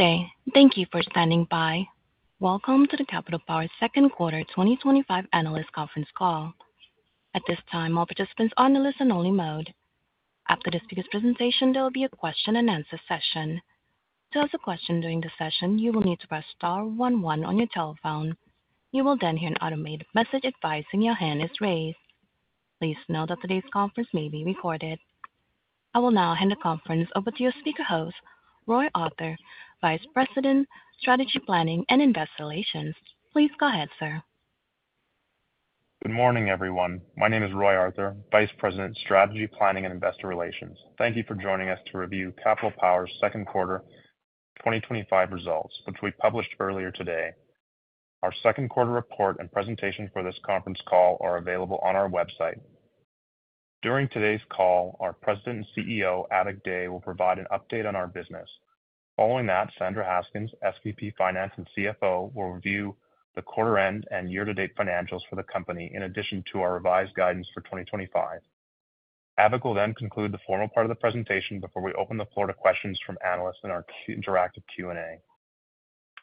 Okay. Thank you for standing by. Welcome to Capital Power's second quarter 2025 analyst conference call. At this time, all participants are in the listen-only mode. After the speaker's presentation, there will be a question and answer session. To ask a question during the session, you will need to press star one one on your telephone. You will then hear an automated message advising your hand is raised. Please note that today's conference may be recorded. I will now hand the conference over to your speaker host, Roy Arthur, Vice President, Strategy Planning and Investor Relations. Please go ahead, sir. Good morning, everyone. My name is Roy Arthur, Vice President, Strategy Planning and Investor Relations. Thank you for joining us to review Capital Power's second quarter 2025 results, which we published earlier today. Our second quarter report and presentation for this conference call are available on our website. During today's call, our President and CEO, Avik Dey, will provide an update on our business. Following that, Sandra Haskins, SVP Finance and CFO, will review the quarter-end and year-to-date financials for the company, in addition to our revised guidance for 2025. Avik will then conclude the formal part of the presentation before we open the floor to questions from analysts in our interactive Q&A.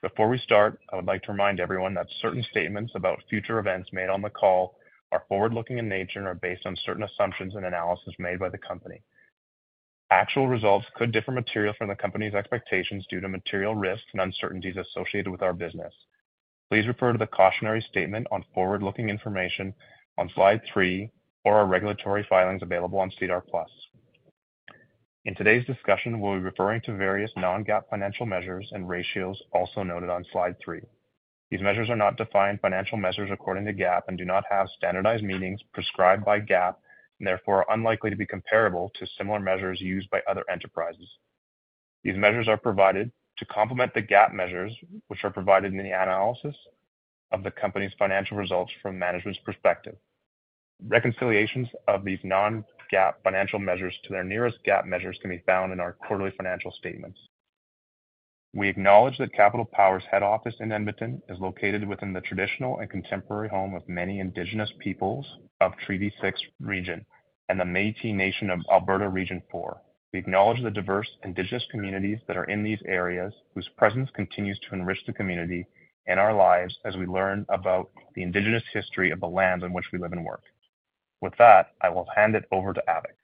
Before we start, I would like to remind everyone that certain statements about future events made on the call are forward-looking in nature and are based on certain assumptions and analysis made by the company. Actual results could differ materially from the company's expectations due to material risks and uncertainties associated with our business. Please refer to the cautionary statement on forward-looking information on slide three or our regulatory filings available on SEDAR+. In today's discussion, we'll be referring to various non-GAAP financial measures and ratios also noted on slide three. These measures are not defined financial measures according to GAAP and do not have standardized meanings prescribed by GAAP, and therefore are unlikely to be comparable to similar measures used by other enterprises. These measures are provided to complement the GAAP measures, which are provided in the analysis of the company's financial results from management's perspective. Reconciliations of these non-GAAP financial measures to their nearest GAAP measures can be found in our quarterly financial statements. We acknowledge that Capital Power's head office in Edmonton is located within the traditional and contemporary home of many Indigenous Peoples of Treaty 6 Region and the Métis Nation of Alberta Region 4. We acknowledge the diverse Indigenous communities that are in these areas, whose presence continues to enrich the community and our lives as we learn about the Indigenous history of the lands on which we live and work. With that, I will hand it over to Avik.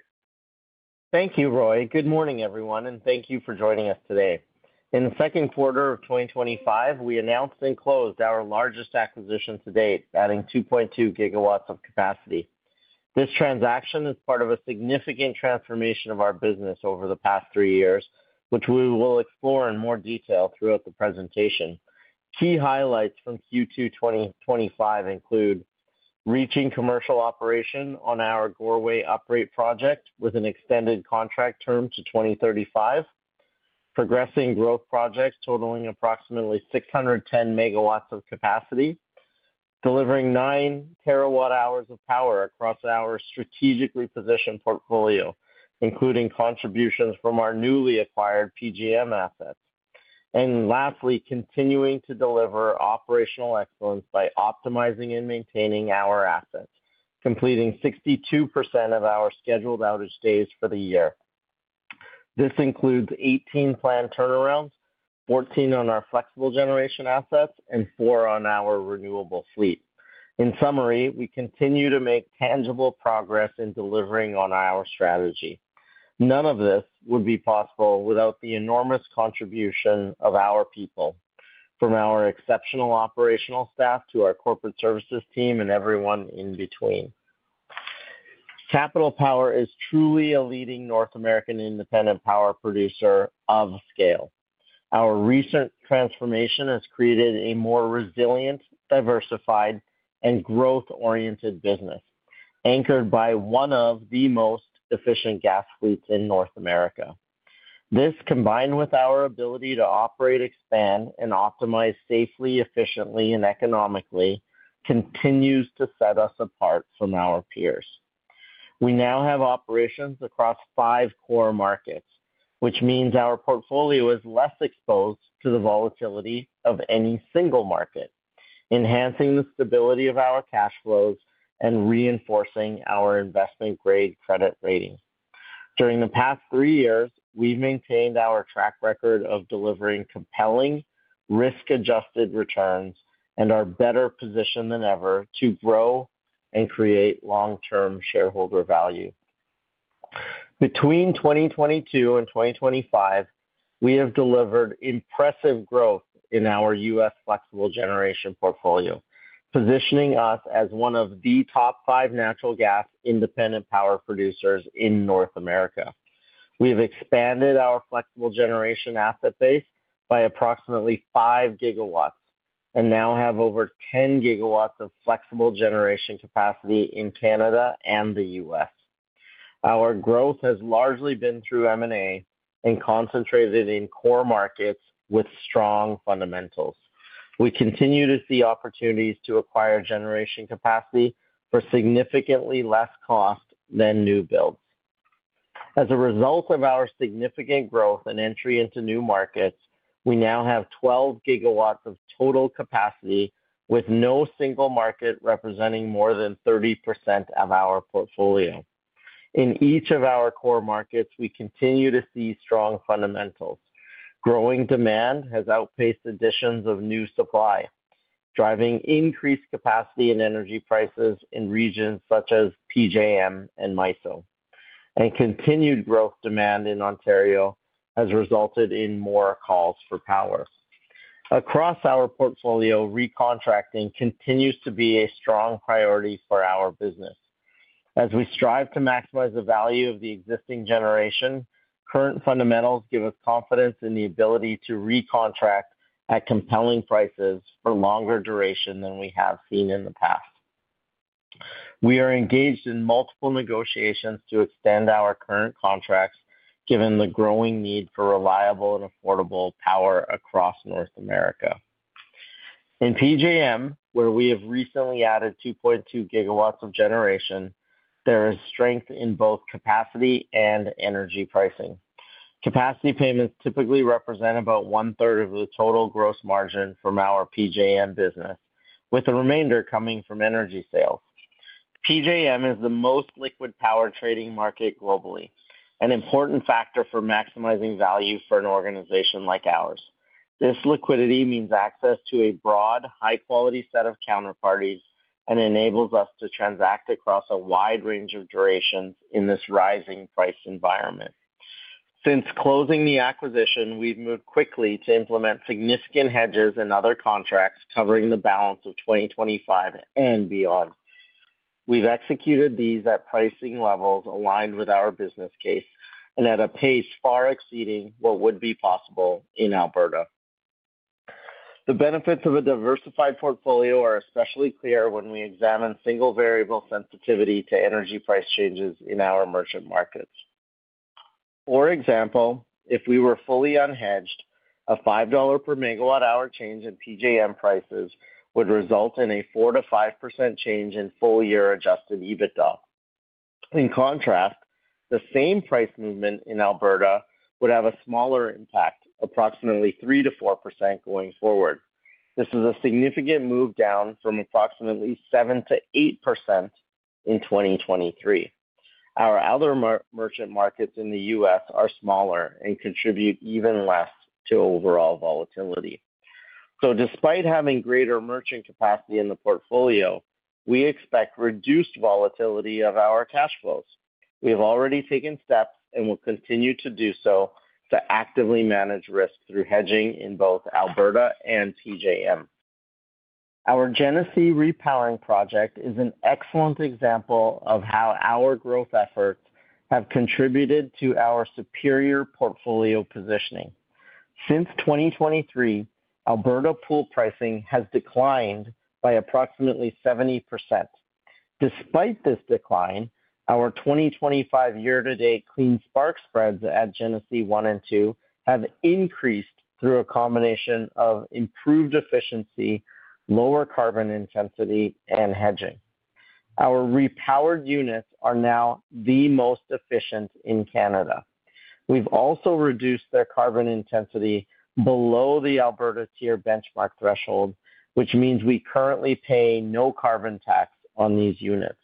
Thank you, Roy. Good morning, everyone, and thank you for joining us today. In the second quarter of 2025, we announced and closed our largest acquisition to date, adding 2.2 GW of capacity. This transaction is part of a significant transformation of our business over the past three years, which we will explore in more detail throughout the presentation. Key highlights from Q2 2025 include reaching commercial operation on our Goreway uprate project with an extended contract term to 2035, progressing growth projects totaling approximately 610 MW of capacity, delivering 9 TW hours of power across our strategically positioned portfolio, including contributions from our newly acquired PJM assets. Lastly, continuing to deliver operational excellence by optimizing and maintaining our assets, completing 62% of our scheduled outage days for the year. This includes 18 planned turnarounds, 14 on our flexible generation assets, and four on our renewable fleet. In summary, we continue to make tangible progress in delivering on our strategy. None of this would be possible without the enormous contribution of our people, from our exceptional operational staff to our corporate services team and everyone in between. Capital Power is truly a leading North American independent power producer of scale. Our recent transformation has created a more resilient, diversified, and growth-oriented business, anchored by one of the most efficient gas fleets in North America. This, combined with our ability to operate, expand, and optimize safely, efficiently, and economically, continues to set us apart from our peers. We now have operations across five core markets, which means our portfolio is less exposed to the volatility of any single market, enhancing the stability of our cash flows and reinforcing our investment-grade credit rating. During the past three years, we've maintained our track record of delivering compelling, risk-adjusted returns and are better positioned than ever to grow and create long-term shareholder value. Between 2022 and 2025, we have delivered impressive growth in our U.S. flexible generation portfolio, positioning us as one of the top five natural gas independent power producers in North America. We have expanded our flexible generation asset base by approximately 5 GW and now have over 10 GW of flexible generation capacity in Canada and the U.S. Our growth has largely been through M&A and concentrated in core markets with strong fundamentals. We continue to see opportunities to acquire generation capacity for significantly less cost than new builds. As a result of our significant growth and entry into new markets, we now have 12 GW of total capacity, with no single market representing more than 30% of our portfolio. In each of our core markets, we continue to see strong fundamentals. Growing demand has outpaced additions of new supply, driving increased capacity and energy prices in regions such as PJM and MISO, and continued growth demand in Ontario has resulted in more calls for power. Across our portfolio, re-contracting continues to be a strong priority for our business. As we strive to maximize the value of the existing generation, current fundamentals give us confidence in the ability to re-contract at compelling prices for longer duration than we have seen in the past. We are engaged in multiple negotiations to extend our current contracts, given the growing need for reliable and affordable power across North America. In PJM, where we have recently added 2.2 GW of generation, there is strength in both capacity and energy pricing. Capacity payments typically represent about one-third of the total gross margin from our PJM business, with the remainder coming from energy sales. PJM is the most liquid power trading market globally, an important factor for maximizing value for an organization like ours. This liquidity means access to a broad, high-quality set of counterparties and enables us to transact across a wide range of durations in this rising price environment. Since closing the acquisition, we've moved quickly to implement significant hedges and other contracts covering the balance of 2025 and beyond. We've executed these at pricing levels aligned with our business case and at a pace far exceeding what would be possible in Alberta. The benefits of a diversified portfolio are especially clear when we examine single variable sensitivity to energy price changes in our emergent markets. For example, if we were fully unhedged, a 5 dollar per megawatt hour change in PJM prices would result in a 4%-5% change in full-year adjusted EBITDA. In contrast, the same price movement in Alberta would have a smaller impact, approximately 3%-4% going forward. This is a significant move down from approximately 7%-8% in 2023. Our other merchant markets in the U.S. are smaller and contribute even less to overall volatility. Despite having greater merchant capacity in the portfolio, we expect reduced volatility of our cash flows. We have already taken steps and will continue to do so to actively manage risk through hedging in both Alberta and PJM. Our Genesee Repowering project is an excellent example of how our growth efforts have contributed to our superior portfolio positioning. Since 2023, Alberta pool pricing has declined by approximately 70%. Despite this decline, our 2025 year-to-date clean spark spreads at Genesee 1 and 2 have increased through a combination of improved efficiency, lower carbon intensity, and hedging. Our repowered units are now the most efficient in Canada. We've also reduced their carbon intensity below the Alberta TIER benchmark threshold, which means we currently pay no carbon tax on these units.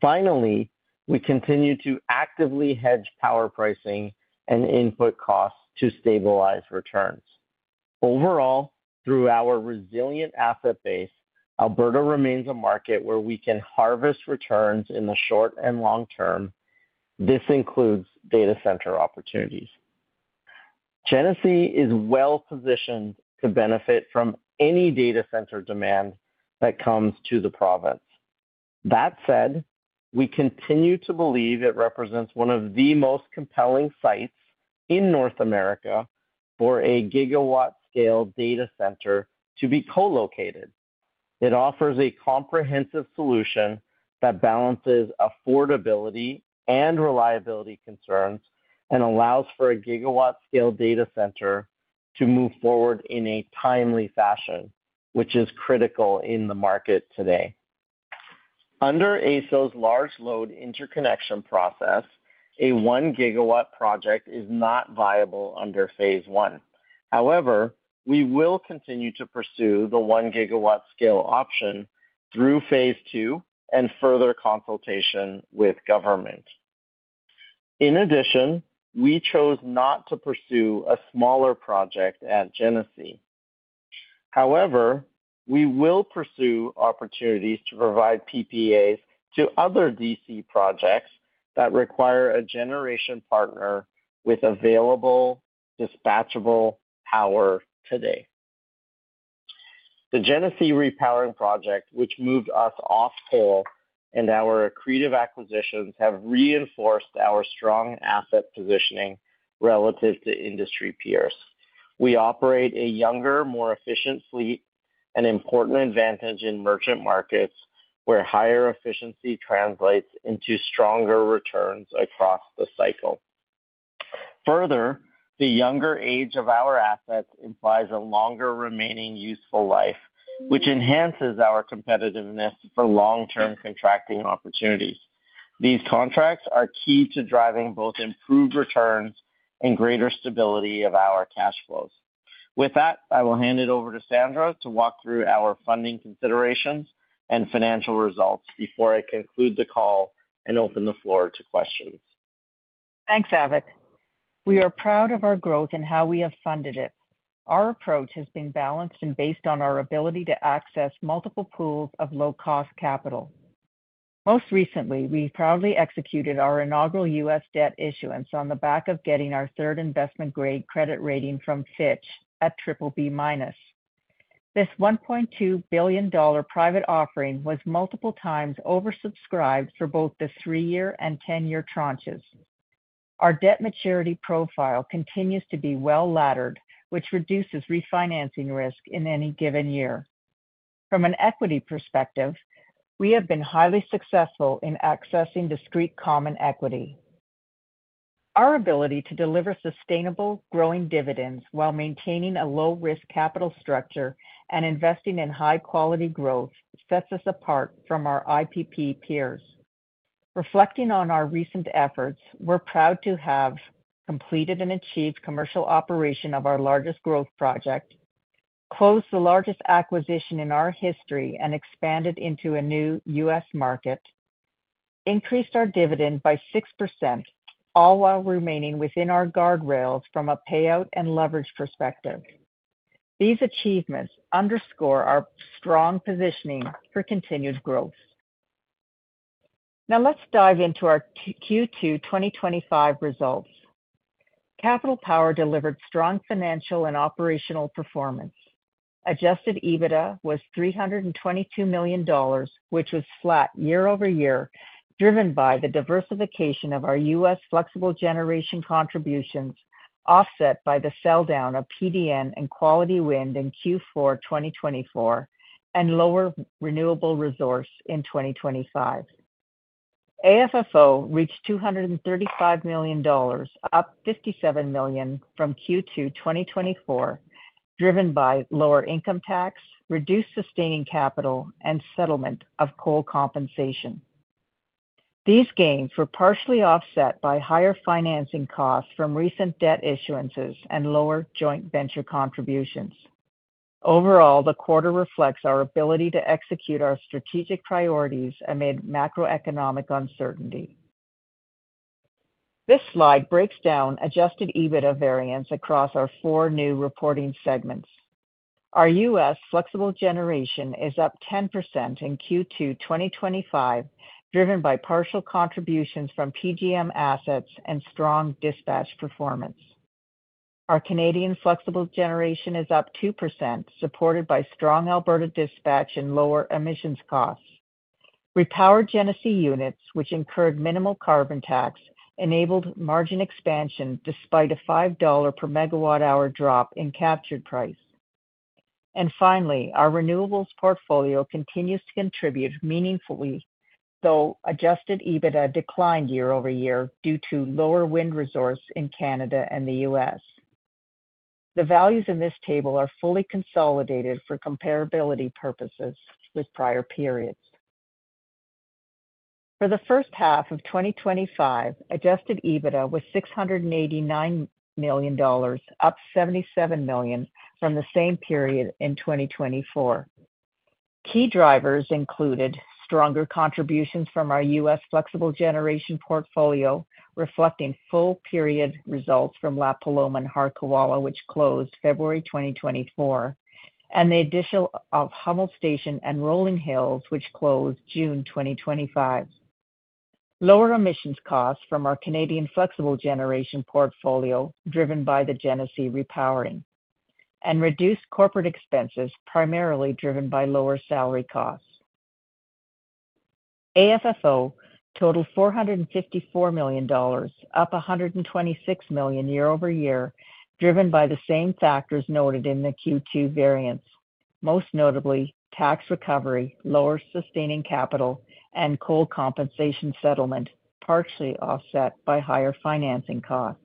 Finally, we continue to actively hedge power pricing and input costs to stabilize returns. Overall, through our resilient asset base, Alberta remains a market where we can harvest returns in the short and long term. This includes data center opportunities. Genesee is well positioned to benefit from any data center demand that comes to the province. That said, we continue to believe it represents one of the most compelling sites in North America for a gigawatt-scale data center to be co-located. It offers a comprehensive solution that balances affordability and reliability concerns and allows for a gigawatt-scale data center to move forward in a timely fashion, which is critical in the market today. Under AESO's large load interconnection process, a 1 GW project is not viable under phase one. However, we will continue to pursue the 1 GW-scale option through phase two and further consultation with government. In addition, we chose not to pursue a smaller project at Genesee. However, we will pursue opportunities to provide PPAs to other data center projects that require a generation partner with available dispatchable power today. The Genesee Repowering project, which moved us off pool, and our creative acquisitions have reinforced our strong asset positioning relative to industry peers. We operate a younger, more efficient fleet, an important advantage in merchant markets where higher efficiency translates into stronger returns across the cycle. Further, the younger age of our assets implies a longer remaining useful life, which enhances our competitiveness for long-term contracting opportunities. These contracts are key to driving both improved returns and greater stability of our cash flows. With that, I will hand it over to Sandra to walk through our funding considerations and financial results before I conclude the call and open the floor to questions. Thanks, Avik. We are proud of our growth and how we have funded it. Our approach has been balanced and based on our ability to access multiple pools of low-cost capital. Most recently, we proudly executed our inaugural U.S. debt issuance on the back of getting our third investment-grade credit rating from Fitch at BBB-. This $1.2 billion private offering was multiple times oversubscribed for both the three-year and 10-year tranches. Our debt maturity profile continues to be well-laddered, which reduces refinancing risk in any given year. From an equity perspective, we have been highly successful in accessing discrete common equity. Our ability to deliver sustainable, growing dividends while maintaining a low-risk capital structure and investing in high-quality growth sets us apart from our IPP peers. Reflecting on our recent efforts, we're proud to have completed and achieved commercial operation of our largest growth project, closed the largest acquisition in our history, expanded into a new U.S. market, increased our dividend by 6%, all while remaining within our guardrails from a payout and leverage perspective. These achievements underscore our strong positioning for continued growth. Now let's dive into our Q2 2025 results. Capital Power delivered strong financial and operational performance. Adjusted EBITDA was 322 million dollars, which was flat year-over-year, driven by the diversification of our U.S. flexible generation contributions offset by the sell down of PDN and Quality Wind in Q4 2024 and lower renewable resource in 2025. AFFO reached 235 million dollars, up 57 million from Q2 2024, driven by lower income tax, reduced sustaining capital, and settlement of coal compensation. These gains were partially offset by higher financing costs from recent debt issuances and lower joint venture contributions. Overall, the quarter reflects our ability to execute our strategic priorities amid macroeconomic uncertainty. This slide breaks down adjusted EBITDA variance across our four new reporting segments. Our U.S. flexible generation is up 10% in Q2 2025, driven by partial contributions from PJM assets and strong dispatch performance. Our Canadian flexible generation is up 2%, supported by strong Alberta dispatch and lower emissions costs. Repowered Genesee units, which incurred minimal carbon tax, enabled margin expansion despite a 5 dollar per megawatt hour drop in captured price. Our renewables portfolio continues to contribute meaningfully, though adjusted EBITDA declined year-over-year due to lower wind resource in Canada and the U.S. The values in this table are fully consolidated for comparability purposes with prior periods. For the first half of 2025, adjusted EBITDA was 689 million dollars, up 77 million from the same period in 2024. Key drivers included stronger contributions from our U.S. flexible generation portfolio, reflecting full period results from La Paloma and Harquahala, which closed February 2024, and the addition of Hummel Station and Rolling Hills, which closed June 2025. Lower emissions costs from our Canadian flexible generation portfolio, driven by the Genesee Repowering, and reduced corporate expenses, primarily driven by lower salary costs. AFFO totaled 454 million dollars, up 126 million year-over-year, driven by the same factors noted in the Q2 variance, most notably tax recovery, lower sustaining capital, and coal compensation settlement, partially offset by higher financing costs.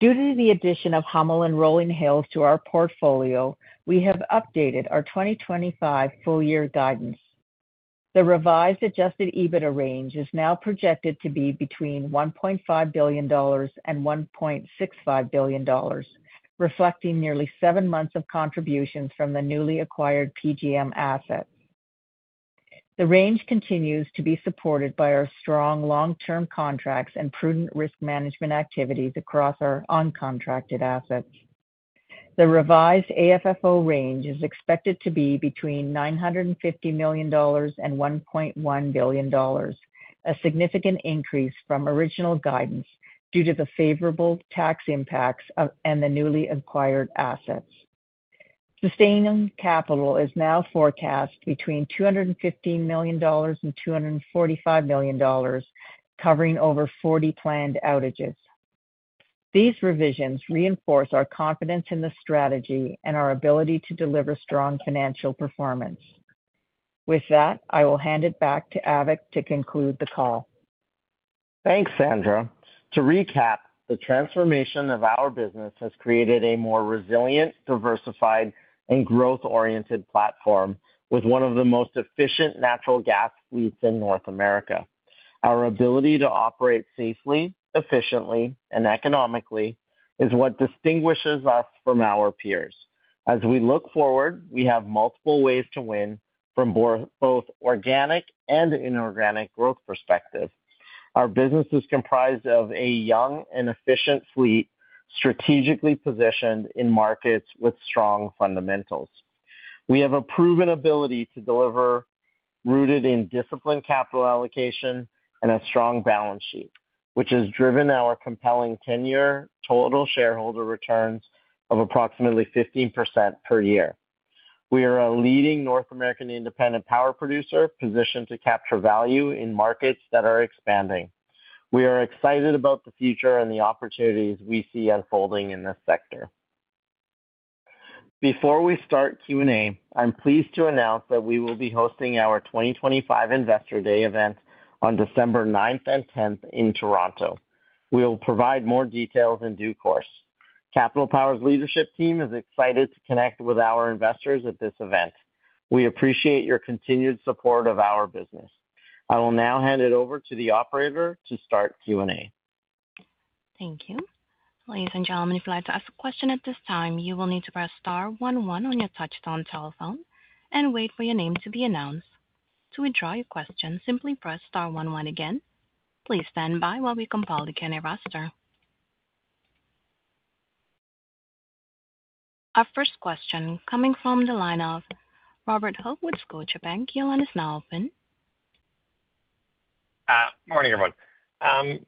Due to the addition of Hummel and Rolling Hills to our portfolio, we have updated our 2025 full-year guidance. The revised adjusted EBITDA range is now projected to be between 1.5 billion dollars and 1.65 billion dollars, reflecting nearly seven months of contributions from the newly acquired PJM assets. The range continues to be supported by our strong long-term contracts and prudent risk management activities across our uncontracted assets. The revised AFFO range is expected to be between 950 million dollars and 1.1 billion dollars, a significant increase from original guidance due to the favorable tax impacts and the newly acquired assets. Sustaining capital is now forecast between 215 million dollars and 245 million dollars, covering over 40 planned outages. These revisions reinforce our confidence in the strategy and our ability to deliver strong financial performance. With that, I will hand it back to Avik to conclude the call. Thanks, Sandra. To recap, the transformation of our business has created a more resilient, diversified, and growth-oriented platform with one of the most efficient natural gas fleets in North America. Our ability to operate safely, efficiently, and economically is what distinguishes us from our peers. As we look forward, we have multiple ways to win from both organic and inorganic growth perspectives. Our business is comprised of a young and efficient fleet, strategically positioned in markets with strong fundamentals. We have a proven ability to deliver rooted in disciplined capital allocation and a strong balance sheet, which has driven our compelling 10-year total shareholder returns of approximately 15% per year. We are a leading North American independent power producer positioned to capture value in markets that are expanding. We are excited about the future and the opportunities we see unfolding in this sector. Before we start Q&A, I'm pleased to announce that we will be hosting our 2025 Investor Day event on December 9th and 10th in Toronto. We will provide more details in due course. Capital Power's leadership team is excited to connect with our investors at this event. We appreciate your continued support of our business. I will now hand it over to the operator to start Q&A. Thank you. Ladies and gentlemen, if you'd like to ask a question at this time, you will need to press star one one on your touch-tone telephone and wait for your name to be announced. To withdraw your question, simply press star one one again. Please stand by while we compile the candidate roster. Our first question coming from the line of Robert Hope with Scotiabank, your line is now open. Morning, everyone.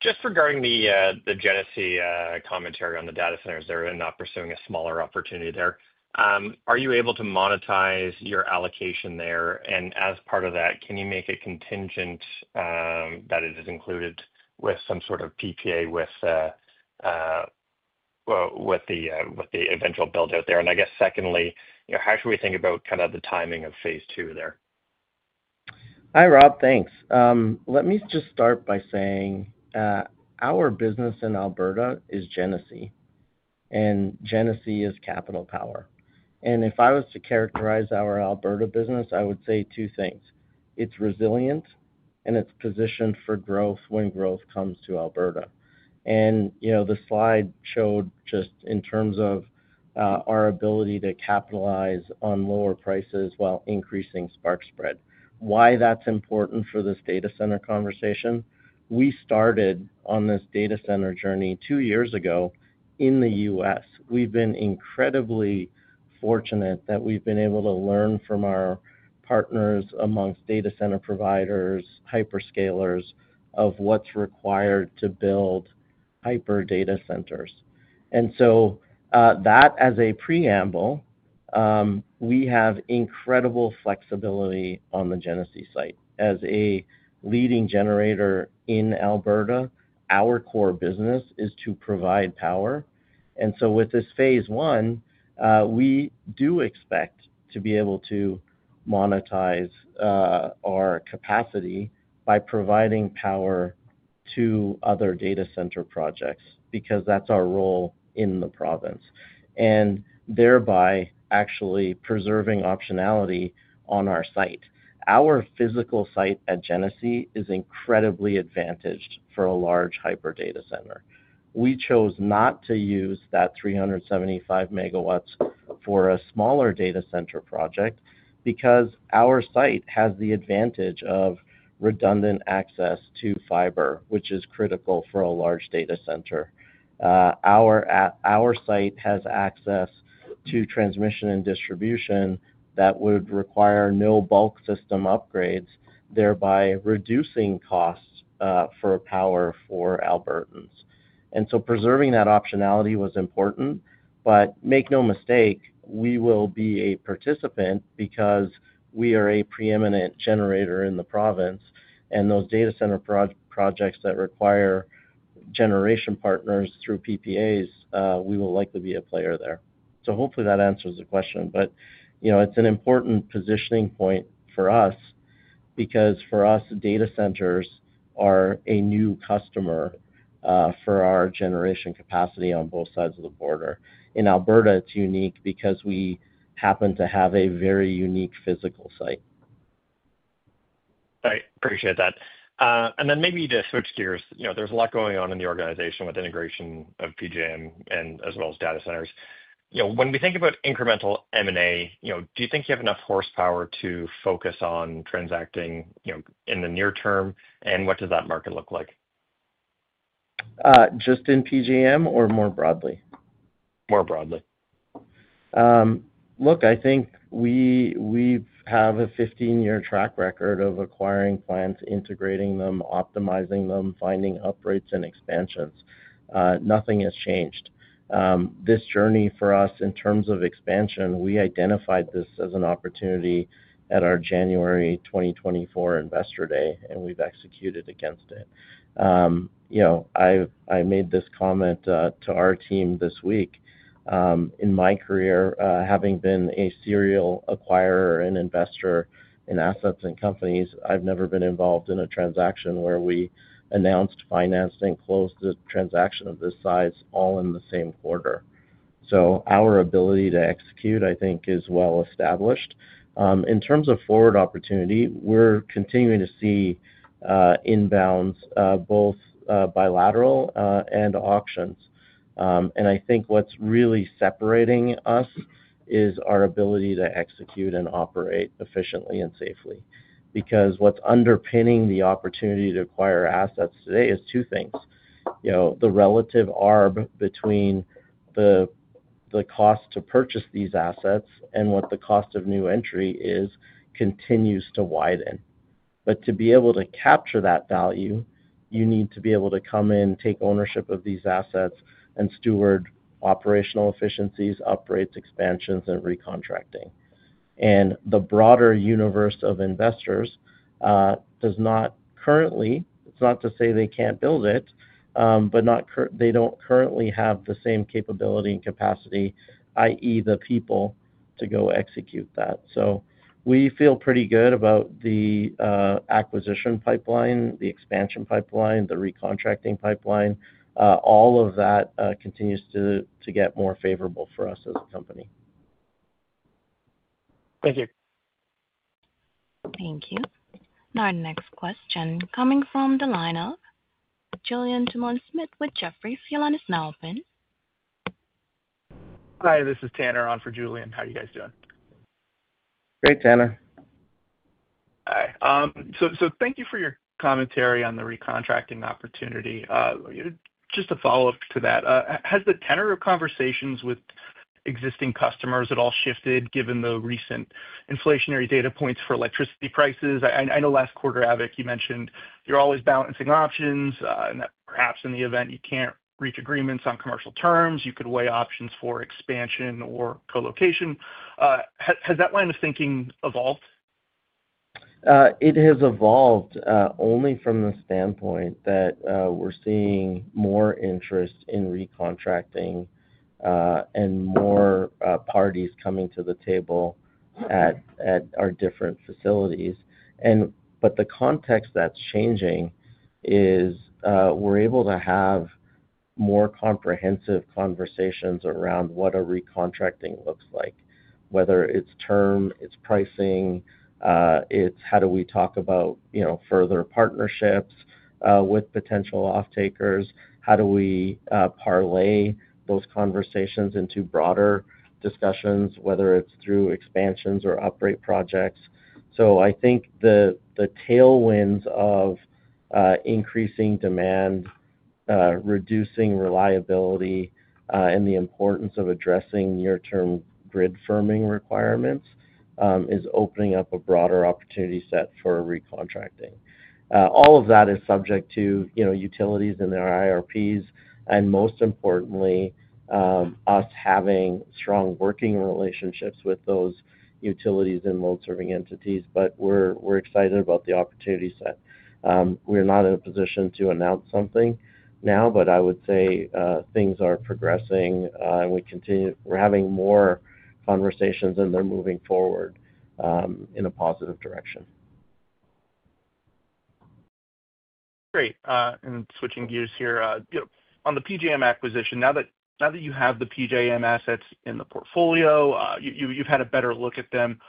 Just regarding the Genesee commentary on the data centers, they're not pursuing a smaller opportunity there. Are you able to monetize your allocation there? As part of that, can you make it contingent that it is included with some sort of PPA with the eventual build-out there? I guess secondly, how should we think about the timing of phase two there? Hi, Rob. Thanks. Let me just start by saying our business in Alberta is Genesee, and Genesee is Capital Power. If I was to characterize our Alberta business, I would say two things. It's resilient, and it's positioned for growth when growth comes to Alberta. The slide showed just in terms of our ability to capitalize on lower prices while increasing spark spread. Why that's important for this data center conversation, we started on this data center journey two years ago in the U.S. We've been incredibly fortunate that we've been able to learn from our partners amongst data center providers, hyperscalers of what's required to build hyper data centers. As a preamble, we have incredible flexibility on the Genesee site. As a leading generator in Alberta, our core business is to provide power. With this phase one, we do expect to be able to monetize our capacity by providing power to other data center projects because that's our role in the province and thereby actually preserving optionality on our site. Our physical site at Genesee is incredibly advantaged for a large hyper data center. We chose not to use that 375 MW for a smaller data center project because our site has the advantage of redundant access to fiber, which is critical for a large data center. Our site has access to transmission and distribution that would require no bulk system upgrades, thereby reducing costs for power for Albertans. Preserving that optionality was important. Make no mistake, we will be a participant because we are a preeminent generator in the province. Those data center projects that require generation partners through PPAs, we will likely be a player there. Hopefully that answers the question. It's an important positioning point for us because for us, data centers are a new customer for our generation capacity on both sides of the border. In Alberta, it's unique because we happen to have a very unique physical site. All right. Appreciate that. Maybe to switch gears, there's a lot going on in the organization with integration of PJM as well as data centers. When we think about incremental M&A, do you think you have enough horsepower to focus on transacting in the near term? What does that market look like? Just in PJM or more broadly? More broadly. Look, I think we have a 15-year track record of acquiring plants, integrating them, optimizing them, finding uprights and expansions. Nothing has changed. This journey for us in terms of expansion, we identified this as an opportunity at our January 2024 Investor Day, and we've executed against it. I made this comment to our team this week. In my career, having been a serial acquirer and investor in assets and companies, I've never been involved in a transaction where we announced, financed, and closed a transaction of this size all in the same quarter. Our ability to execute, I think, is well established. In terms of forward opportunity, we're continuing to see inbounds, both bilateral and auctions. I think what's really separating us is our ability to execute and operate efficiently and safely because what's underpinning the opportunity to acquire assets today is two things. The relative are between the cost to purchase these assets and what the cost of new entry is continues to widen. To be able to capture that value, you need to be able to come in, take ownership of these assets, and steward operational efficiencies, upgrades, expansions, and re-contracting. The broader universe of investors does not currently, it's not to say they can't build it, but they don't currently have the same capability and capacity, i.e., the people to go execute that. We feel pretty good about the acquisition pipeline, the expansion pipeline, the re-contracting pipeline. All of that continues to get more favorable for us as a company. Thank you. Thank you. Our next question coming from the line of Julien Dumoulin-Smith with Jefferies, your line is now open. Hi, this is Tanner on for Julien. How are you guys doing? Great, Tanner. Thank you for your commentary on the re-contracting opportunity. Just a follow-up to that. Has the tenor of conversations with existing customers at all shifted given the recent inflationary data points for electricity prices? I know last quarter, Avik, you mentioned you're always balancing options and that perhaps in the event you can't reach agreements on commercial terms, you could weigh options for expansion or co-location. Has that line of thinking evolved? It has evolved only from the standpoint that we're seeing more interest in re-contracting and more parties coming to the table at our different facilities. The context that's changing is we're able to have more comprehensive conversations around what a re-contracting looks like, whether it's term, it's pricing, it's how do we talk about further partnerships with potential off-takers, how do we parlay those conversations into broader discussions, whether it's through expansions or upgrade projects. I think the tailwinds of increasing demand, reducing reliability, and the importance of addressing near-term grid firming requirements is opening up a broader opportunity set for re-contracting. All of that is subject to utilities and their IRPs, and most importantly, us having strong working relationships with those utilities and load-serving entities. We're excited about the opportunity set. We're not in a position to announce something now, but I would say things are progressing and we continue, we're having more conversations and they're moving forward in a positive direction. Great. Switching gears here, on the PJM acquisition, now that you have the PJM assets in the portfolio, you've had a better look at them.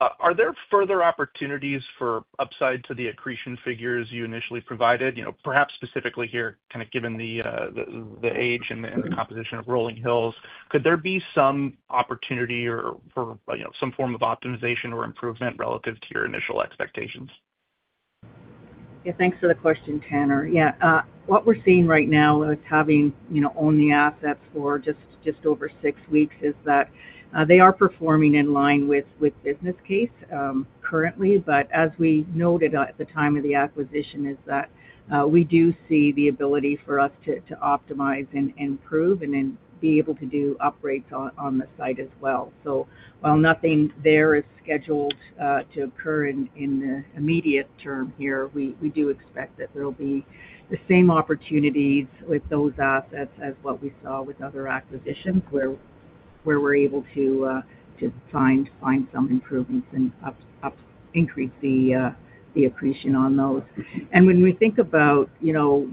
Are there further opportunities for upside to the accretion figures you initially provided? Perhaps specifically here, given the age and the composition of Rolling Hills, could there be some opportunity or some form of optimization or improvement relative to your initial expectations? Yeah, thanks for the question, Tanner. What we're seeing right now with having, you know, owned the assets for just over six weeks is that they are performing in line with business case currently. As we noted at the time of the acquisition, we do see the ability for us to optimize and improve and then be able to do upgrades on the site as well. While nothing there is scheduled to occur in the immediate term here, we do expect that there'll be the same opportunities with those assets as what we saw with other acquisitions where we're able to find some improvements and increase the accretion on those. When we think about, you know,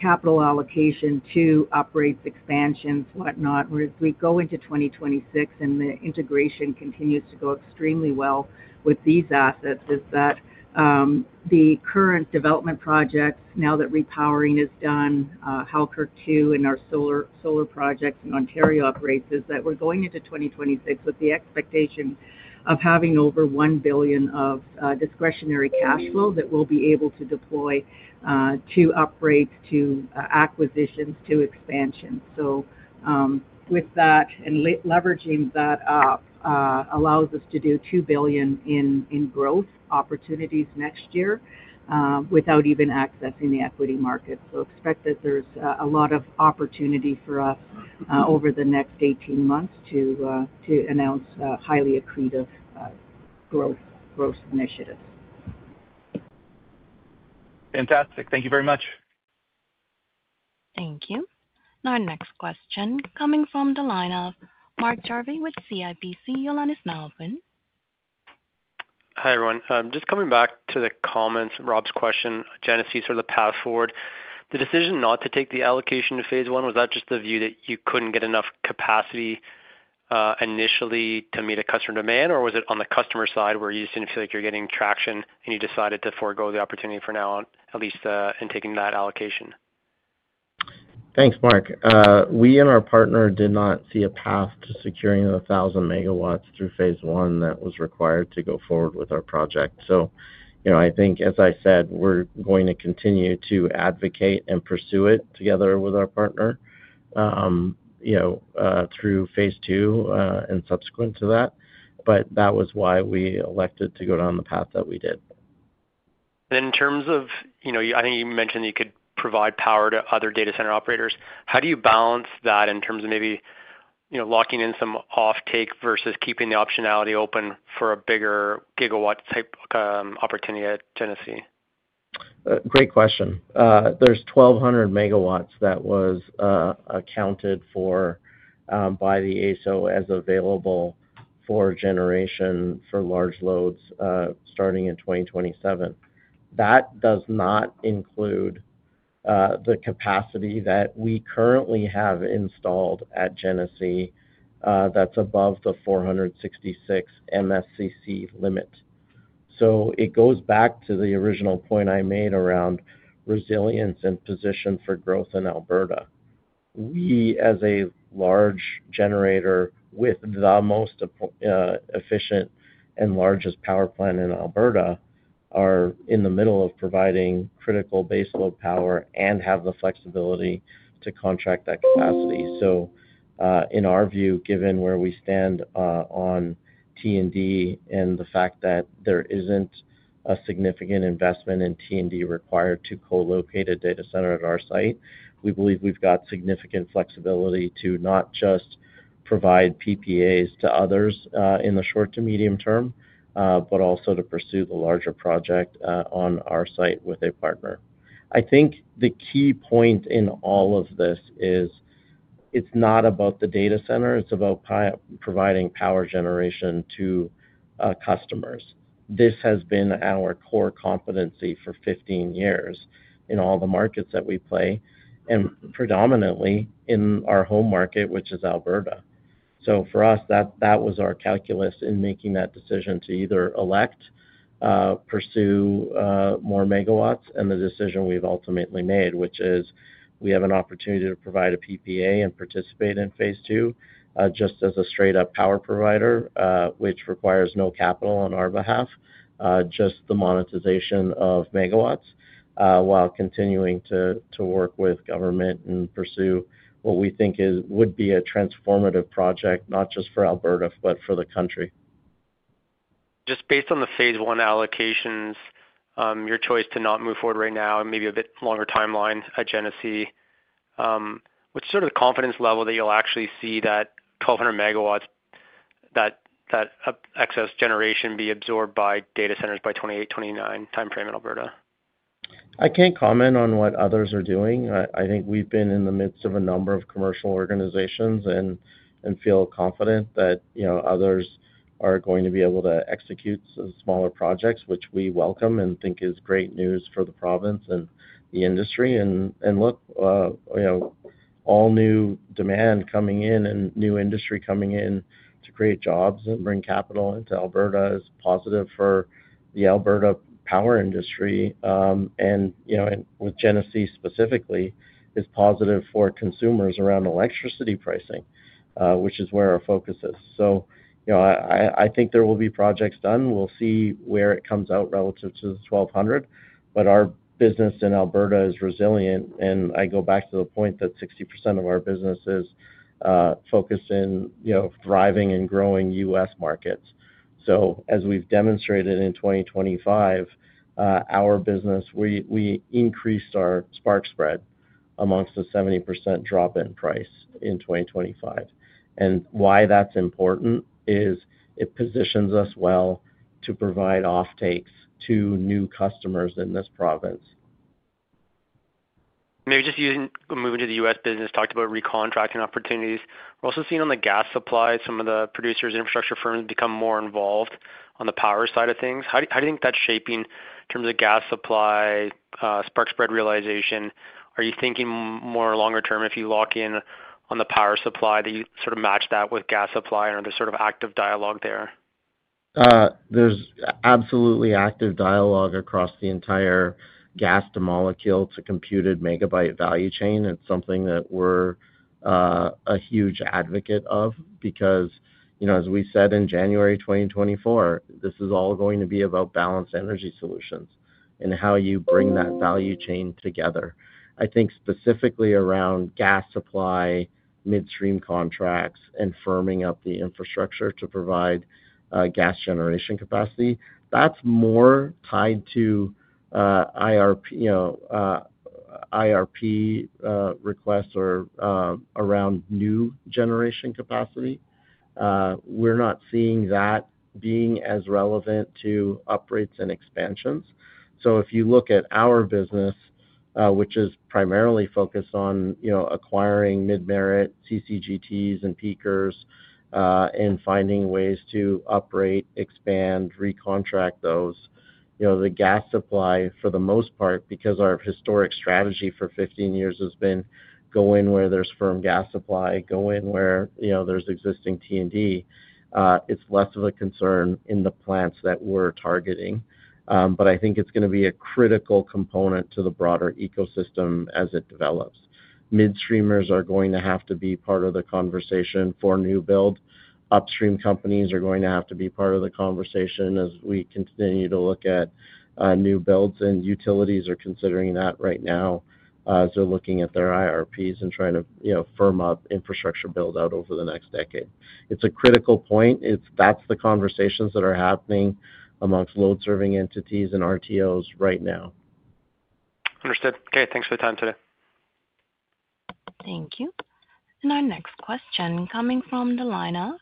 capital allocation to upgrades, expansions, whatnot, as we go into 2026 and the integration continues to go extremely well with these assets, the current development projects, now that repowering is done, Halkirk 2 and our solar projects in Ontario upgrades, we're going into 2026 with the expectation of having over 1 billion of discretionary cash flow that we'll be able to deploy to upgrades, to acquisitions, to expansions. With that and leveraging that up allows us to do 2 billion in growth opportunities next year without even accessing the equity market. Expect that there's a lot of opportunity for us over the next 18 months to announce highly accretive growth initiatives. Fantastic. Thank you very much. Thank you. Our next question coming from the line of Mark Jarvi with CIBC, Jill Gardiner. Hi everyone. Just coming back to the comments and Rob's question, Genesee, sort of the path forward. The decision not to take the allocation to phase one, was that just the view that you couldn't get enough capacity initially to meet a customer demand, or was it on the customer side where you seem to feel like you're getting traction and you decided to forego the opportunity for now at least in taking that allocation? Thanks, Mark. We and our partner did not see a path to securing the 1,000 MW through phase one that was required to go forward with our project. I think, as I said, we're going to continue to advocate and pursue it together with our partner through phase two and subsequent to that. That was why we elected to go down the path that we did. In terms of, you know, I think you mentioned that you could provide power to other data center operators. How do you balance that in terms of maybe, you know, locking in some off-take versus keeping the optionality open for a bigger gigawatt type opportunity at Genesee? Great question. There's 1,200 MW that was accounted for by the AESO as available for generation for large loads starting in 2027. That does not include the capacity that we currently have installed at Genesee that's above the [466 MSSC] limit. It goes back to the original point I made around resilience and position for growth in Alberta. We, as a large generator with the most efficient and largest power plant in Alberta, are in the middle of providing critical baseload power and have the flexibility to contract that capacity. In our view, given where we stand on T&D and the fact that there isn't a significant investment in T&D required to co-locate a data center at our site, we believe we've got significant flexibility to not just provide PPAs to others in the short to medium term, but also to pursue the larger project on our site with a partner. I think the key point in all of this is it's not about the data center, it's about providing power generation to customers. This has been our core competency for 15 years in all the markets that we play, and predominantly in our home market, which is Alberta. For us, that was our calculus in making that decision to either elect, pursue more megawatts, and the decision we've ultimately made, which is we have an opportunity to provide a PPA and participate in phase two just as a straight-up power provider, which requires no capital on our behalf, just the monetization of megawatts while continuing to work with government and pursue what we think would be a transformative project, not just for Alberta, but for the country. Just based on the phase one allocations, your choice to not move forward right now and maybe a bit longer timeline at Genesee, what's sort of the confidence level that you'll actually see that 1,200 MW, that excess generation, be absorbed by data centers by the 2028, 2029 timeframe in Alberta? I can't comment on what others are doing. I think we've been in the midst of a number of commercial organizations and feel confident that others are going to be able to execute smaller projects, which we welcome and think is great news for the province and the industry. All new demand coming in and new industry coming in to create jobs and bring capital into Alberta is positive for the Alberta power industry. With Genesee specifically, it's positive for consumers around electricity pricing, which is where our focus is. I think there will be projects done. We'll see where it comes out relative to the 1,200. Our business in Alberta is resilient. I go back to the point that 60% of our business is focused in thriving and growing U.S. markets. As we've demonstrated in 2025, our business, we increased our spark spread amongst the 70% drop in price in 2025. Why that's important is it positions us well to provide off-takes to new customers in this province. Maybe just moving to the U.S. business, talked about re-contracting opportunities. We're also seeing on the gas supply, some of the producers and infrastructure firms become more involved on the power side of things. How do you think that's shaping in terms of gas supply, spark spread realization? Are you thinking more longer term if you lock in on the power supply that you sort of match that with gas supply, and are there sort of active dialogue there? There's absolutely active dialogue across the entire gas to molecule to computed megabyte value chain. It's something that we're a huge advocate of because, you know, as we said in January 2024, this is all going to be about balanced energy solutions and how you bring that value chain together. I think specifically around gas supply, midstream contracts, and firming up the infrastructure to provide gas generation capacity, that's more tied to IRP requests or around new generation capacity. We're not seeing that being as relevant to upgrades and expansions. If you look at our business, which is primarily focused on acquiring mid-merit CCGTs and peakers and finding ways to upgrade, expand, re-contract those, you know, the gas supply for the most part, because our historic strategy for 15 years has been go in where there's firm gas supply, go in where there's existing T&D. It's less of a concern in the plants that we're targeting. I think it's going to be a critical component to the broader ecosystem as it develops. Midstreamers are going to have to be part of the conversation for new build. Upstream companies are going to have to be part of the conversation as we continue to look at new builds, and utilities are considering that right now as they're looking at their IRPs and trying to firm up infrastructure build-out over the next decade. It's a critical point. That's the conversations that are happening amongst load-serving entities and RTOs right now. Understood. Okay, thanks for the time today. Thank you. Our next question coming from the line of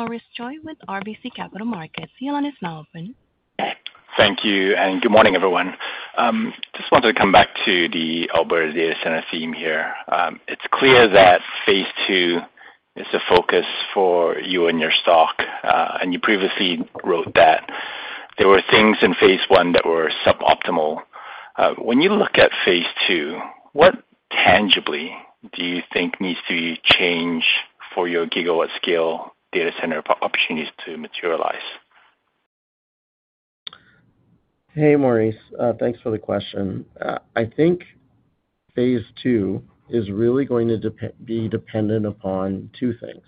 Maurice Choy with RBC Capital Markets. Your line is now open. Thank you, and good morning, everyone. I just wanted to come back to the Alberta data center theme here. It's clear that phase two is a focus for you and your stock, and you previously wrote that there were things in phase one that were suboptimal. When you look at phase two, what tangibly do you think needs to change for your gigawatt scale data center opportunities to materialize? Hey, Maurice. Thanks for the question. I think phase two is really going to be dependent upon two things.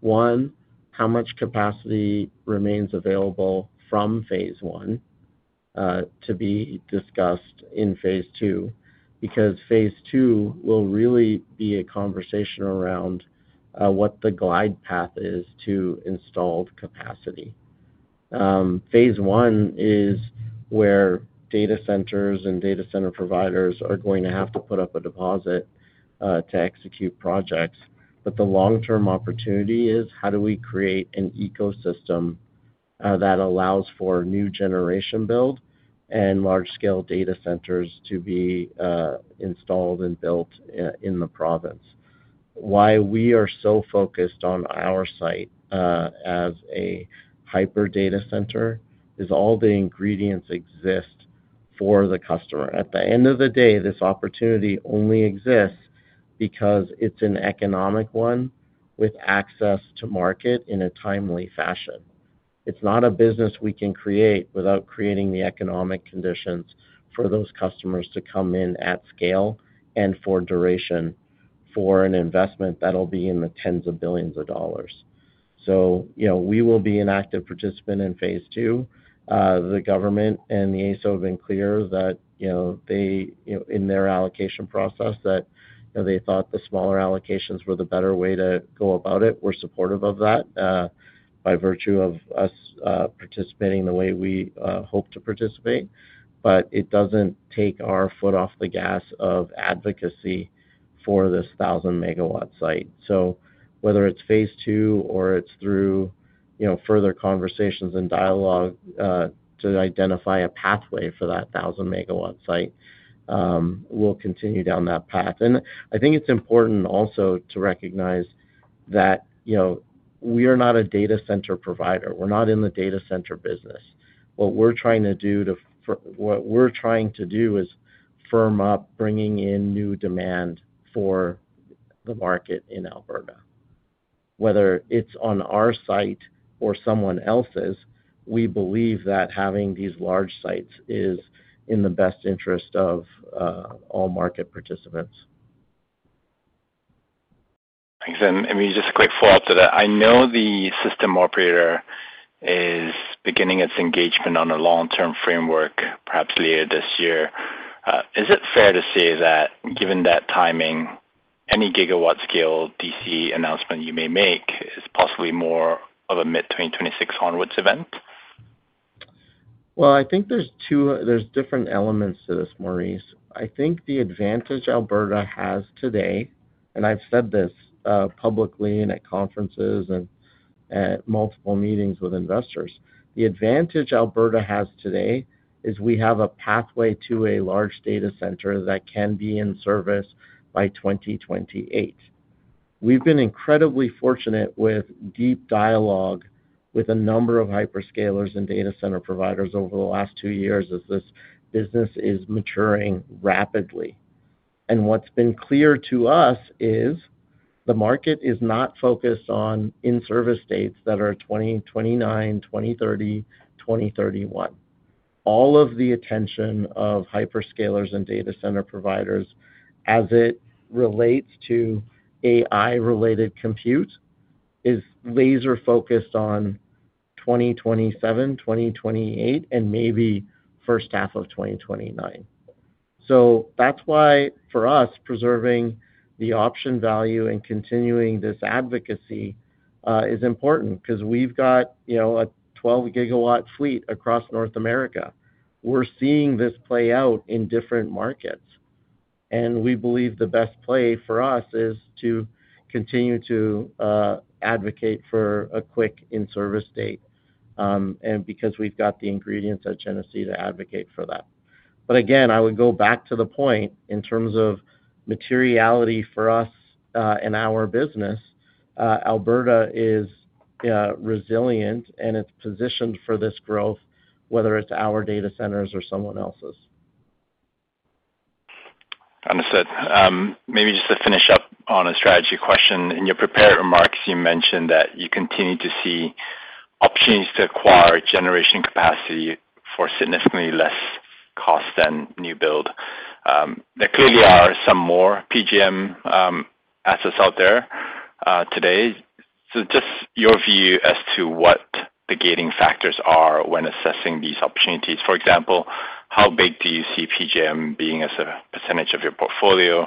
One, how much capacity remains available from phase one to be discussed in phase two, because phase two will really be a conversation around what the glide path is to installed capacity. Phase one is where data centers and data center providers are going to have to put up a deposit to execute projects. The long-term opportunity is how do we create an ecosystem that allows for new generation build and large-scale data centers to be installed and built in the province. Why we are so focused on our site as a hyper data center is all the ingredients exist for the customer. At the end of the day, this opportunity only exists because it's an economic one with access to market in a timely fashion. It's not a business we can create without creating the economic conditions for those customers to come in at scale and for duration for an investment that'll be in the tens of billions of dollars. We will be an active participant in phase two. The government and the AESO have been clear that, in their allocation process, they thought the smaller allocations were the better way to go about it. We're supportive of that by virtue of us participating the way we hope to participate. It doesn't take our foot off the gas of advocacy for this 1,000 MW site. Whether it's phase two or it's through further conversations and dialogue to identify a pathway for that 1,000 MW site, we'll continue down that path. I think it's important also to recognize that we are not a data center provider. We're not in the data center business. What we're trying to do is firm up bringing in new demand for the market in Alberta. Whether it's on our site or someone else's, we believe that having these large sites is in the best interest of all market participants. Thanks. Maybe just a quick follow-up to that. I know the system operator is beginning its engagement on a long-term framework, perhaps later this year. Is it fair to say that given that timing, any gigawatt scale DC announcement you may make is possibly more of a mid-2026 onwards event? I think there's different elements to this, Maurice. I think the advantage Alberta has today, and I've said this publicly and at conferences and at multiple meetings with investors, the advantage Alberta has today is we have a pathway to a large data center that can be in service by 2028. We've been incredibly fortunate with deep dialogue with a number of hyperscalers and data center providers over the last two years as this business is maturing rapidly. What's been clear to us is the market is not focused on in-service dates that are 2029, 2030, 2031. All of the attention of hyperscalers and data center providers as it relates to AI-related compute is laser-focused on 2027, 2028, and maybe first half of 2029. That's why for us, preserving the option value and continuing this advocacy is important because we've got a 12 GW fleet across North America. We're seeing this play out in different markets, and we believe the best play for us is to continue to advocate for a quick in-service date because we've got the ingredients at Genesee to advocate for that. Again, I would go back to the point in terms of materiality for us and our business. Alberta is resilient and it's positioned for this growth, whether it's our data centers or someone else's. Understood. Maybe just to finish up on a strategy question, in your prepared remarks, you mentioned that you continue to see opportunities to acquire generation capacity for significantly less cost than new build. There clearly are some more PJM assets out there today. Just your view as to what the gating factors are when assessing these opportunities. For example, how big do you see PJM being as a percentage of your portfolio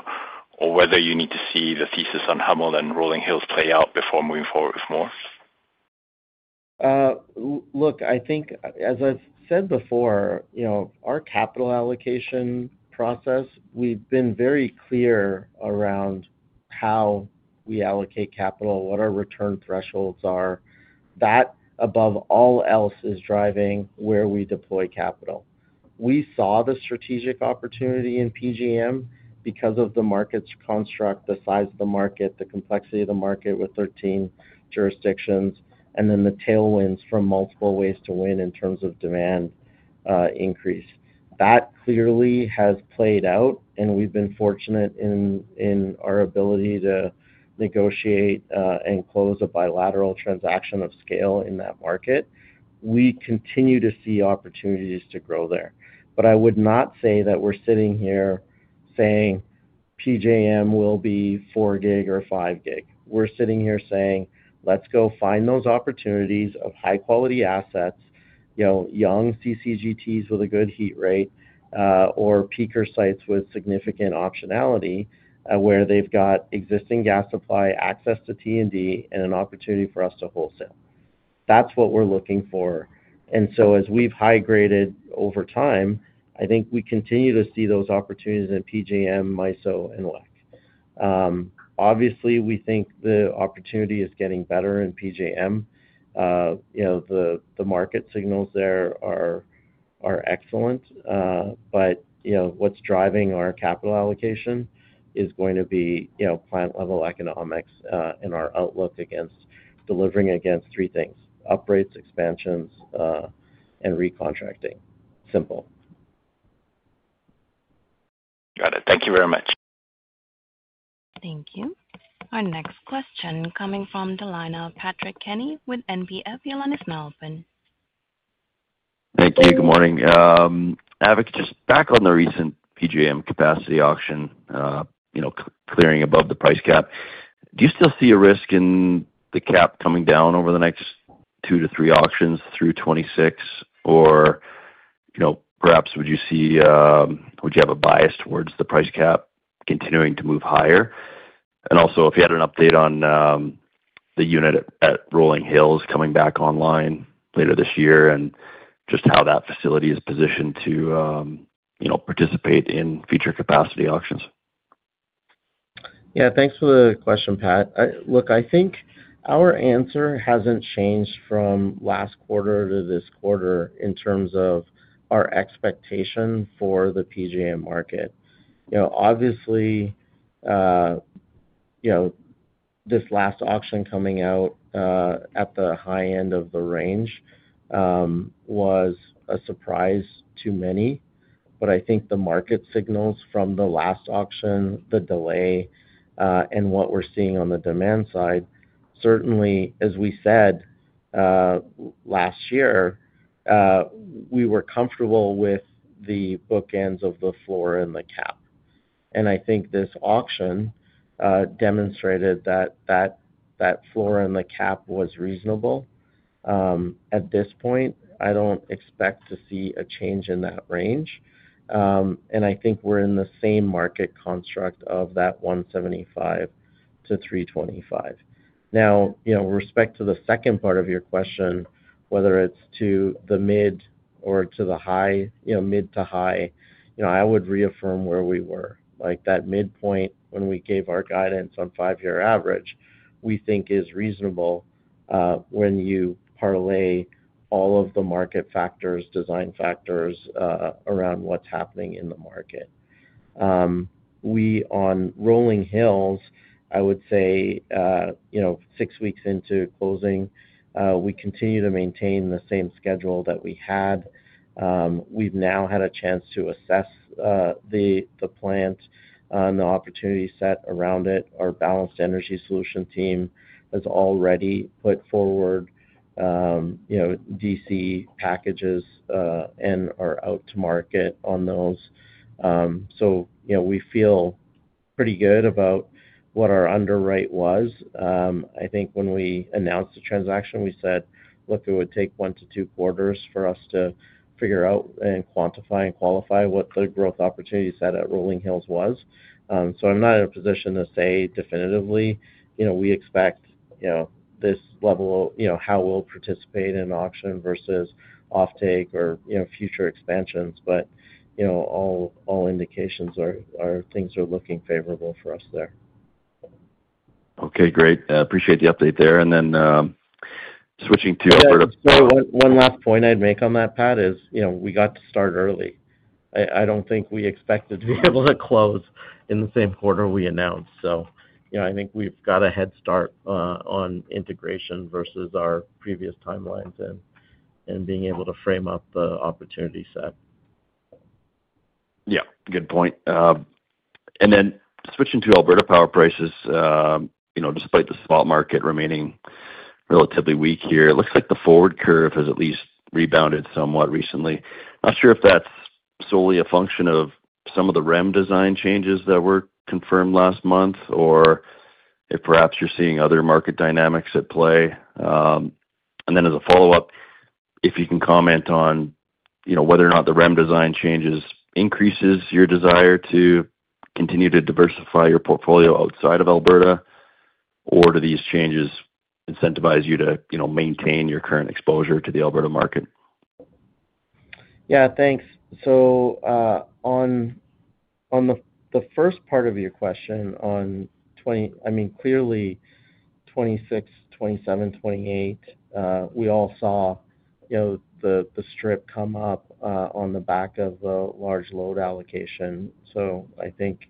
or whether you need to see the thesis on Hummel and Rolling Hills play out before moving forward with more? Look, I think as I've said before, our capital allocation process, we've been very clear around how we allocate capital, what our return thresholds are. That, above all else, is driving where we deploy capital. We saw the strategic opportunity in PJM because of the market's construct, the size of the market, the complexity of the market with 13 jurisdictions, and then the tailwinds from multiple ways to win in terms of demand increase. That clearly has played out, and we've been fortunate in our ability to negotiate and close a bilateral transaction of scale in that market. We continue to see opportunities to grow there. I would not say that we're sitting here saying PJM will be 4 GW or 5 GW. We're sitting here saying, let's go find those opportunities of high-quality assets, young CCGTs with a good heat rate or peaker sites with significant optionality where they've got existing gas supply, access to T&D, and an opportunity for us to wholesale. That's what we're looking for. As we've high-graded over time, I think we continue to see those opportunities in PJM, MISO, and WECC. Obviously, we think the opportunity is getting better in PJM. The market signals there are excellent. What's driving our capital allocation is going to be plant-level economics and our outlook against delivering against three things: upgrades, expansions, and re-contracting. Simple. Got it. Thank you very much. Thank you. Our next question coming from the line of Patrick Kenny with NBF. Your line is now open. Thank you. Good morning. Avik, just back on the recent PJM capacity auction, clearing above the price cap. Do you still see a risk in the cap coming down over the next two to three auctions through 2026, or perhaps would you have a bias towards the price cap continuing to move higher? Also, if you had an update on the unit at Rolling Hills coming back online later this year and just how that facility is positioned to participate in future capacity auctions? Yeah, thanks for the question, Pat. Look, I think our answer hasn't changed from last quarter to this quarter in terms of our expectation for the PJM market. Obviously, this last auction coming out at the high end of the range was a surprise to many. I think the market signals from the last auction, the delay, and what we're seeing on the demand side, certainly, as we said last year, we were comfortable with the bookends of the floor and the cap. I think this auction demonstrated that the floor and the cap was reasonable. At this point, I don't expect to see a change in that range. I think we're in the same market construct of that 175-325. Now, with respect to the second part of your question, whether it's to the mid or to the high, mid to high, I would reaffirm where we were. That midpoint when we gave our guidance on five-year average, we think is reasonable when you parlay all of the market factors, design factors around what's happening in the market. On Rolling Hills, I would say six weeks into closing, we continue to maintain the same schedule that we had. We've now had a chance to assess the plant and the opportunity set around it. Our balanced energy solution team has already put forward DC packages and are out to market on those. We feel pretty good about what our underwrite was. I think when we announced the transaction, we said it would take one to two quarters for us to figure out and quantify and qualify what the growth opportunity set at Rolling Hills was. I'm not in a position to say definitively we expect this level of how we'll participate in auction versus off-take or future expansions. All indications are things are looking favorable for us there. Okay, great. Appreciate the update there. Switching to Alberta. Sorry, one last point I'd make on that, Pat, is, you know, we got to start early. I don't think we expected to be able to close in the same quarter we announced. I think we've got a head start on integration versus our previous timelines and being able to frame up the opportunity set. Good point. Switching to Alberta power prices, despite the spot market remaining relatively weak here, it looks like the forward curve has at least rebounded somewhat recently. Not sure if that's solely a function of some of the REM design changes that were confirmed last month or if perhaps you're seeing other market dynamics at play. As a follow-up, can you comment on whether or not the REM design changes increase your desire to continue to diversify your portfolio outside of Alberta, or do these changes incentivize you to maintain your current exposure to the Alberta market? Yeah, thanks. On the first part of your question on 2026, 2027, 2028, we all saw the strip come up on the back of the large load allocation. I think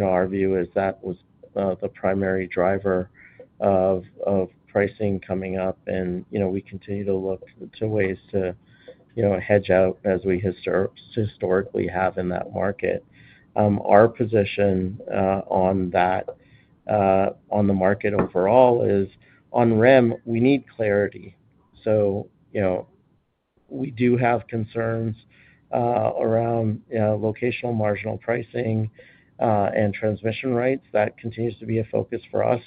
our view is that was the primary driver of pricing coming up. We continue to look to ways to hedge out as we historically have in that market. Our position on the market overall is on REM, we need clarity. We do have concerns around locational marginal pricing and transmission rights. That continues to be a focus for us.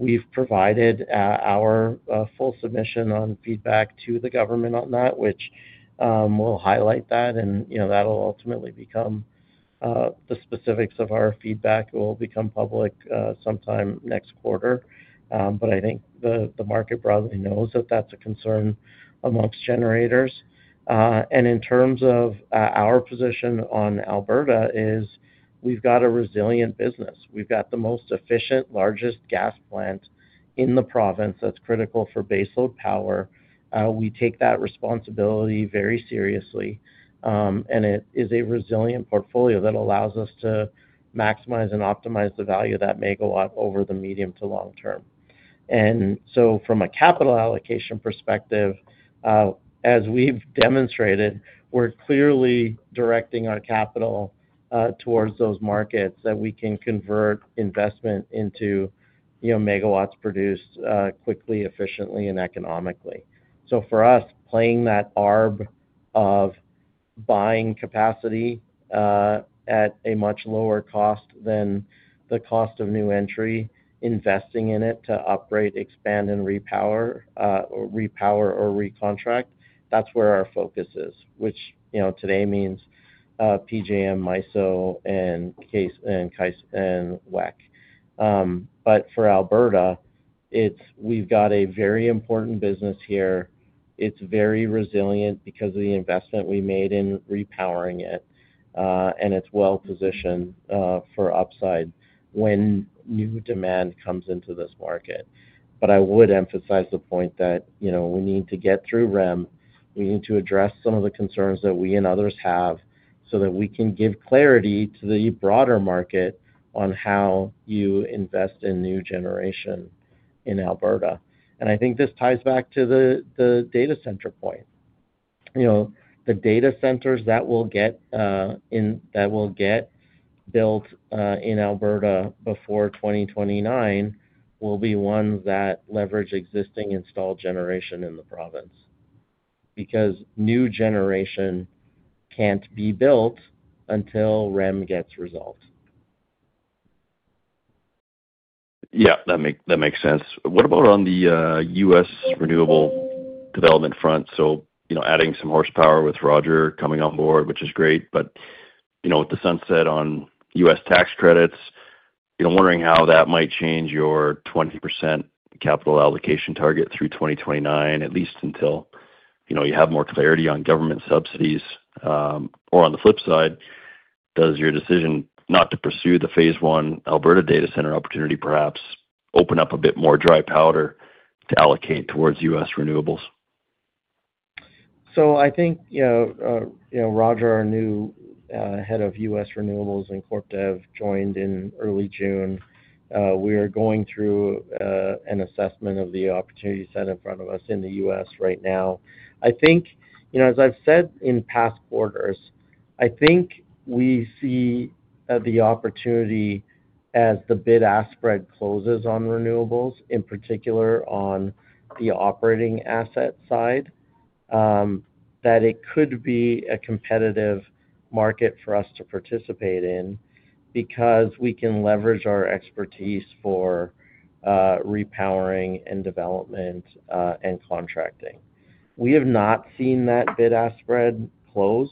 We've provided our full submission on feedback to the government on that, which will highlight that. That'll ultimately become the specifics of our feedback. It will become public sometime next quarter. I think the market broadly knows that that's a concern amongst generators. In terms of our position on Alberta, we've got a resilient business. We've got the most efficient, largest gas plant in the province that's critical for baseload power. We take that responsibility very seriously. It is a resilient portfolio that allows us to maximize and optimize the value of that megawatt over the medium to long term. From a capital allocation perspective, as we've demonstrated, we're clearly directing our capital towards those markets that we can convert investment into megawatts produced quickly, efficiently, and economically. For us, playing that arc of buying capacity at a much lower cost than the cost of new entry, investing in it to upgrade, expand, and repower or re-contract, that's where our focus is, which today means PJM, MISO, and WECC. For Alberta, we've got a very important business here. It's very resilient because of the investment we made in repowering it. It's well positioned for upside when new demand comes into this market. I would emphasize the point that we need to get through REM. We need to address some of the concerns that we and others have so that we can give clarity to the broader market on how you invest in new generation in Alberta. I think this ties back to the data center point. The data centers that will get built in Alberta before 2029 will be ones that leverage existing installed generation in the province because new generation can't be built until REM gets resolved. Yeah, that makes sense. What about on the U.S. renewable development front? You know, adding some horsepower with Roger coming on board, which is great. With the sunset on U.S. tax credits, wondering how that might change your 20% capital allocation target through 2029, at least until you have more clarity on government subsidies. On the flip side, does your decision not to pursue the phase one Alberta data center opportunity perhaps open up a bit more dry powder to allocate towards U.S. renewables? I think, you know, Roger, our new Head of U.S. Renewables and Corp Dev, joined in early June. We are going through an assessment of the opportunity set in front of us in the U.S. right now. I think, as I've said in past quarters, we see the opportunity as the bid aspirate closes on renewables, in particular on the operating asset side, that it could be a competitive market for us to participate in because we can leverage our expertise for repowering and development, and contracting. We have not seen that bid aspirate close.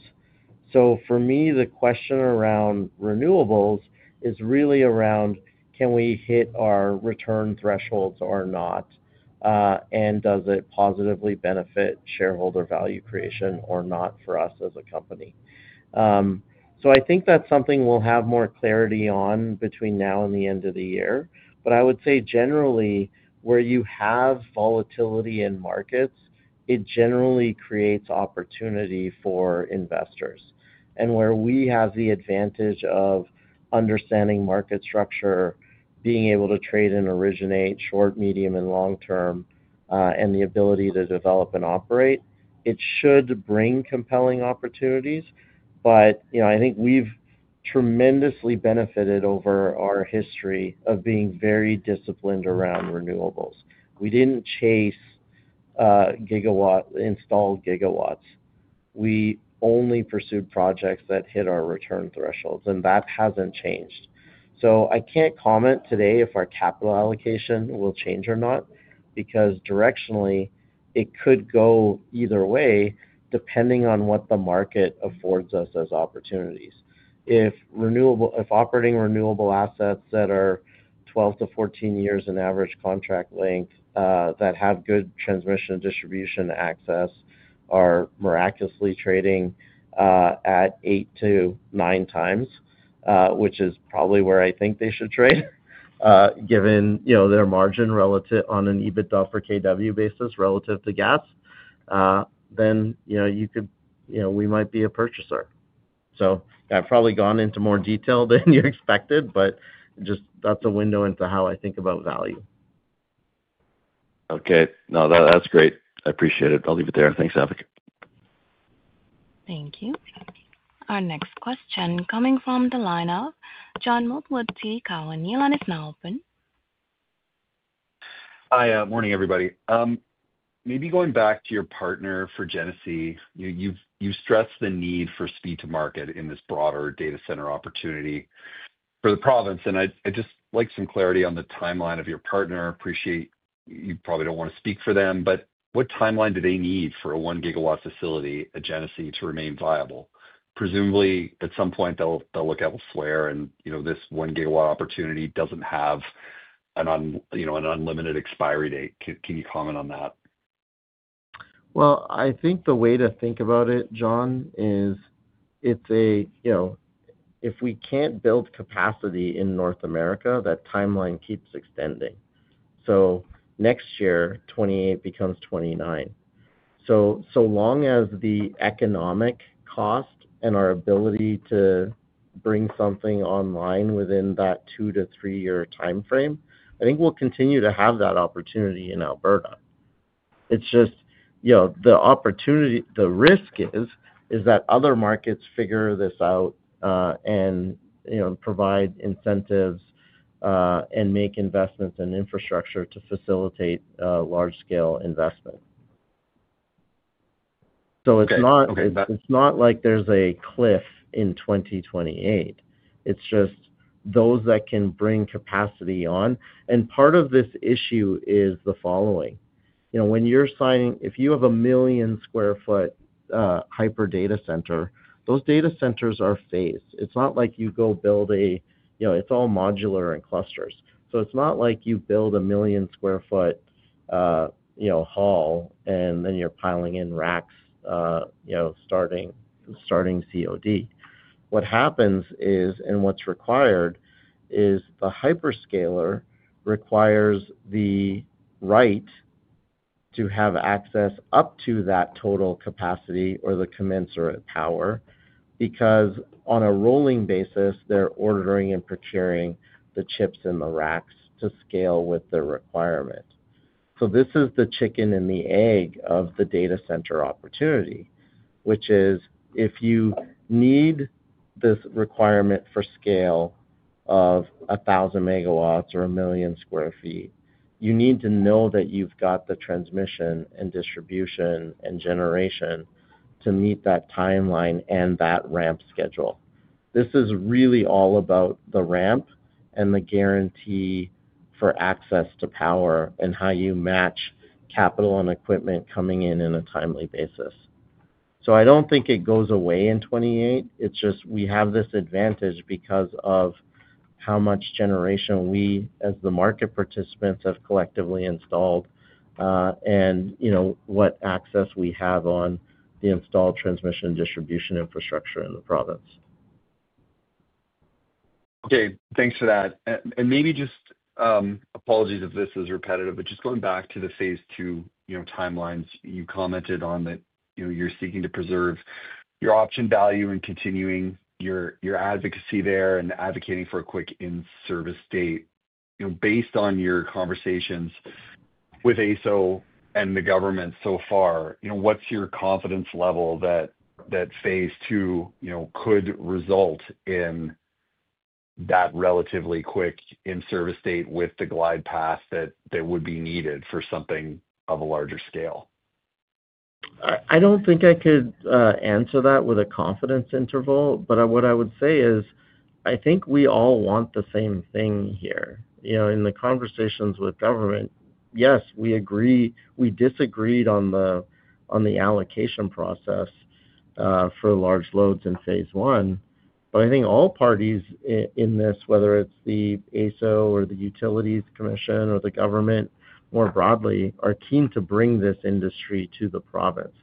For me, the question around renewables is really around, can we hit our return thresholds or not, and does it positively benefit shareholder value creation or not for us as a company? I think that's something we'll have more clarity on between now and the end of the year. I would say generally, where you have volatility in markets, it generally creates opportunity for investors. Where we have the advantage of understanding market structure, being able to trade and originate short, medium, and long term, and the ability to develop and operate, it should bring compelling opportunities. I think we've tremendously benefited over our history of being very disciplined around renewables. We didn't chase installed gigawatts. We only pursued projects that hit our return thresholds, and that hasn't changed. I can't comment today if our capital allocation will change or not because directionally, it could go either way, depending on what the market affords us as opportunities. If operating renewable assets that are 12 to 14 years in average contract length, that have good transmission and distribution access, are miraculously trading at eight to nine times, which is probably where I think they should trade, given their margin relative on an EBITDA per kilowatt basis relative to gas, then we might be a purchaser. I've probably gone into more detail than you expected, but that's a window into how I think about value. Okay, no, that's great. I appreciate it. I'll leave it there. Thanks, Avik. Thank you. Our next question coming from the line of John Mould, TD Cowen. Your line is now open. Hi, morning, everybody. Maybe going back to your partner for Genesee, you've stressed the need for speed to market in this broader data center opportunity for the province. I'd just like some clarity on the timeline of your partner. I appreciate you probably don't want to speak for them, but what timeline do they need for a 1 GW facility at Genesee to remain viable? Presumably, at some point, they'll look elsewhere, and you know, this 1 GW opportunity doesn't have an unlimited expiry date. Can you comment on that? I think the way to think about it, John, is it's a, you know, if we can't build capacity in North America, that timeline keeps extending. Next year, 2028 becomes 2029. So long as the economic cost and our ability to bring something online within that two to three-year timeframe, I think we'll continue to have that opportunity in Alberta. It's just, you know, the opportunity, the risk is that other markets figure this out, and, you know, provide incentives and make investments in infrastructure to facilitate large-scale investment. It's not like there's a cliff in 2028. It's just those that can bring capacity on. Part of this issue is the following. When you're signing, if you have 1 million sq ft, hyper data center, those data centers are phased. It's not like you go build a, you know, it's all modular and clusters. It's not like you build 1 million sq ft, you know, hall, and then you're piling in racks, starting COD. What happens is, and what's required is the hyperscaler requires the right to have access up to that total capacity or the commensurate power because on a rolling basis, they're ordering and procuring the chips in the racks to scale with the requirement. This is the chicken and the egg of the data center opportunity, which is if you need this requirement for scale of 1,000 MW or 1 million sq ft, you need to know that you've got the transmission and distribution and generation to meet that timeline and that ramp schedule. This is really all about the ramp and the guarantee for access to power and how you match capital and equipment coming in in a timely basis. I don't think it goes away in 2028. We have this advantage because of how much generation we as the market participants have collectively installed, and, you know, what access we have on the installed transmission distribution infrastructure in the province. Okay. Thanks for that. Maybe just, apologies if this is repetitive, just going back to the phase two timelines you commented on, you're seeking to preserve your option value and continuing your advocacy there and advocating for a quick in-service date. Based on your conversations with AESO and the government so far, what's your confidence level that phase two could result in that relatively quick in-service date with the glide path that would be needed for something of a larger scale? I don't think I could answer that with a confidence interval, but what I would say is I think we all want the same thing here. In the conversations with government, yes, we agree, we disagreed on the allocation process for large loads in phase one. I think all parties in this, whether it's the AESO or the Utilities Commission or the government more broadly, are keen to bring this industry to the province.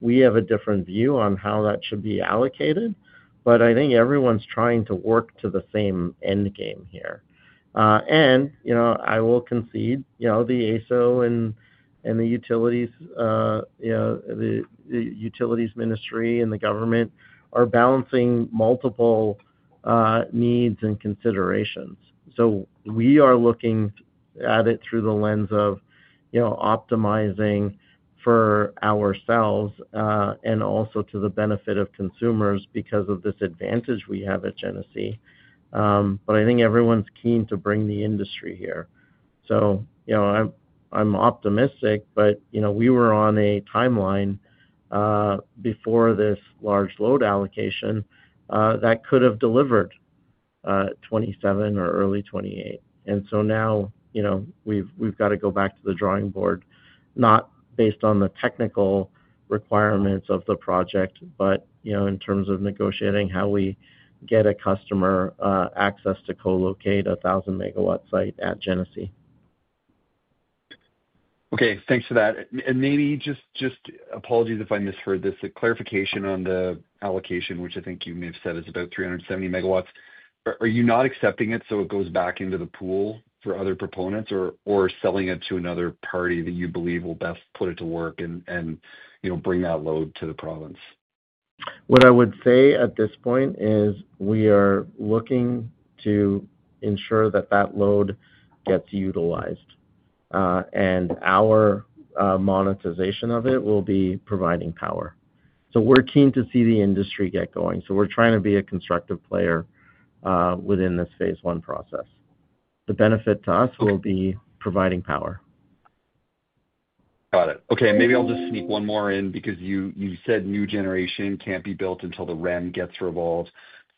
We have a different view on how that should be allocated, but I think everyone's trying to work to the same endgame here. I will concede the AESO and the Utilities Ministry and the government are balancing multiple needs and considerations. We are looking at it through the lens of optimizing for ourselves, and also to the benefit of consumers because of this advantage we have at Genesee. I think everyone's keen to bring the industry here. I'm optimistic, but we were on a timeline before this large load allocation that could have delivered 2027 or early 2028. Now we've got to go back to the drawing board, not based on the technical requirements of the project, but in terms of negotiating how we get a customer access to co-locate a 1,000 MW site at Genesee. Okay. Thanks for that. Maybe just apologies if I misheard this, a clarification on the allocation, which I think you may have said is about 370 MW. Are you not accepting it so it goes back into the pool for other proponents, or selling it to another party that you believe will best put it to work and bring that load to the province? What I would say at this point is we are looking to ensure that that load gets utilized, and our monetization of it will be providing power. We're keen to see the industry get going. We're trying to be a constructive player within this phase one process. The benefit to us will be providing power. Got it. Okay. Maybe I'll just sneak one more in because you said new generation can't be built until the REM gets resolved.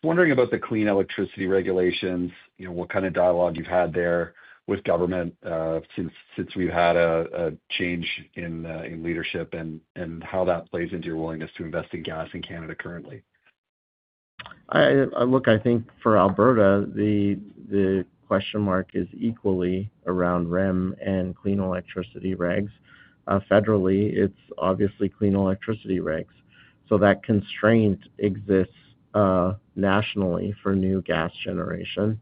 I'm wondering about the clean electricity regulations, what kind of dialogue you've had there with government, since we've had a change in leadership and how that plays into your willingness to invest in gas in Canada currently. Look, I think for Alberta, the question mark is equally around REM and clean electricity regs. Federally, it's obviously clean electricity regs. That constraint exists nationally for new gas generation.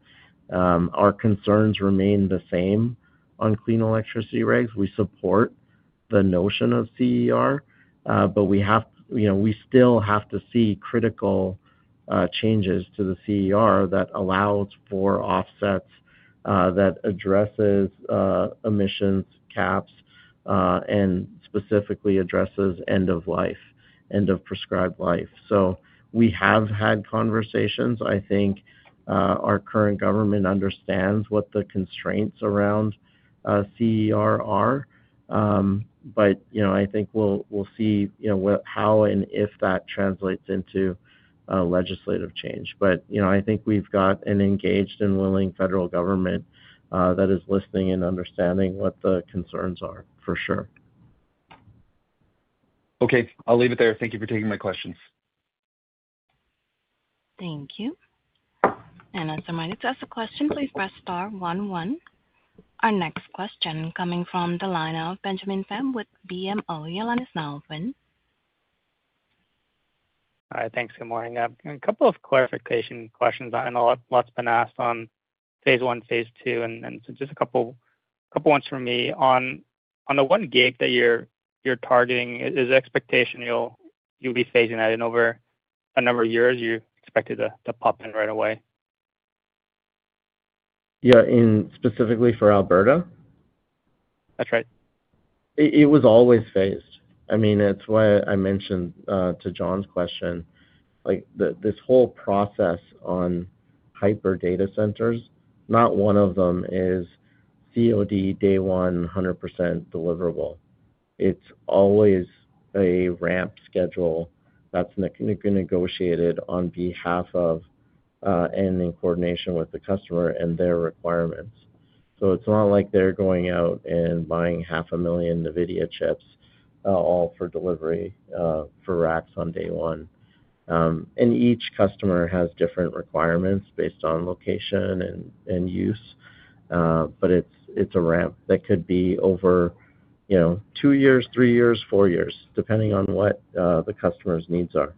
Our concerns remain the same on clean electricity regs. We support the notion of CER, we still have to see critical changes to the CER that allow for offsets, that address emissions caps, and specifically address end of life, end of prescribed life. We have had conversations. I think our current government understands what the constraints around CER are. I think we'll see how and if that translates into legislative change. I think we've got an engaged and willing federal government that is listening and understanding what the concerns are, for sure. Okay, I'll leave it there. Thank you for taking my questions. Thank you. As a reminder, to ask a question, please press star one, one. Our next question, coming from the line of Benjamin Pham with BMO. Yolanda's now on. All right. Thanks. Good morning. A couple of clarification questions on what's been asked on phase one, phase two, just a couple of ones from me. On the one gig that you're targeting, is the expectation you'll be phasing that in over a number of years? You expect it to pop in right away? Specifically for Alberta? That's right. It was always phased. I mean, that's why I mentioned to John's question, like this whole process on hyper data centers, not one of them is COD day one, 100% deliverable. It's always a ramp schedule that's negotiated on behalf of, and in coordination with the customer and their requirements. It's not like they're going out and buying 500,000 NVIDIA chips, all for delivery, for racks on day one. Each customer has different requirements based on location and use. It's a ramp that could be over, you know, two years, three years, four years, depending on what the customer's needs are.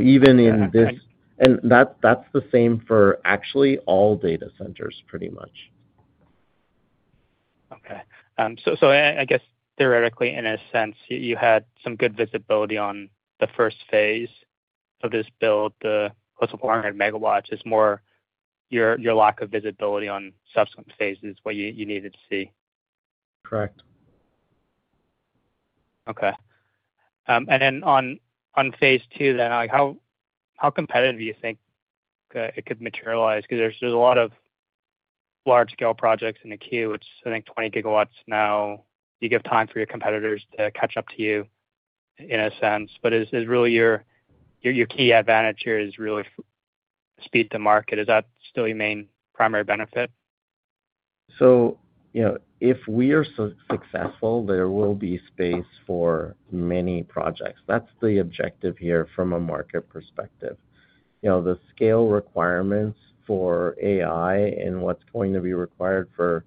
Even in this, that's the same for actually all data centers, pretty much. Okay. I guess theoretically, in a sense, you had some good visibility on the first phase of this build, the close to 400 MW. It's more your lack of visibility on subsequent phases is what you needed to see. Correct. Okay. On phase two, how competitive do you think it could materialize? There are a lot of large-scale projects in the queue, which I think is 20 GW now. You give time for your competitors to catch up to you in a sense. Is really your key advantage here speed to market? Is that still your main primary benefit? If we are successful, there will be space for many projects. That's the objective here from a market perspective. The scale requirements for AI and what's going to be required for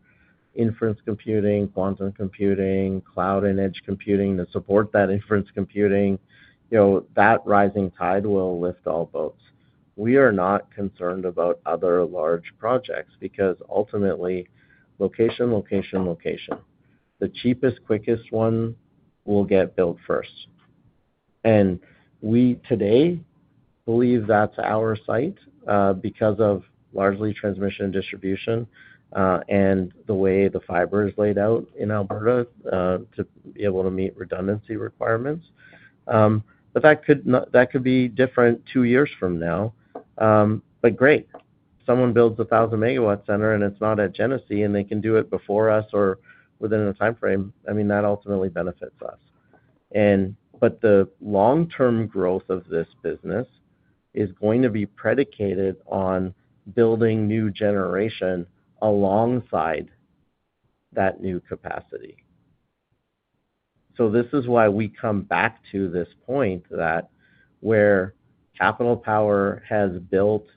inference computing, quantum computing, cloud and edge computing to support that inference computing, that rising tide will lift all boats. We are not concerned about other large projects because, ultimately, location, location, location. The cheapest, quickest one will get built first. We, today, believe that's our site, because of largely transmission and distribution, and the way the fiber is laid out in Alberta, to be able to meet redundancy requirements. That could be different two years from now. Great, someone builds a 1,000 MW center and it's not at Genesee and they can do it before us or within a timeframe. That ultimately benefits us. The long-term growth of this business is going to be predicated on building new generation alongside that new capacity. This is why we come back to this point that where Capital Power has built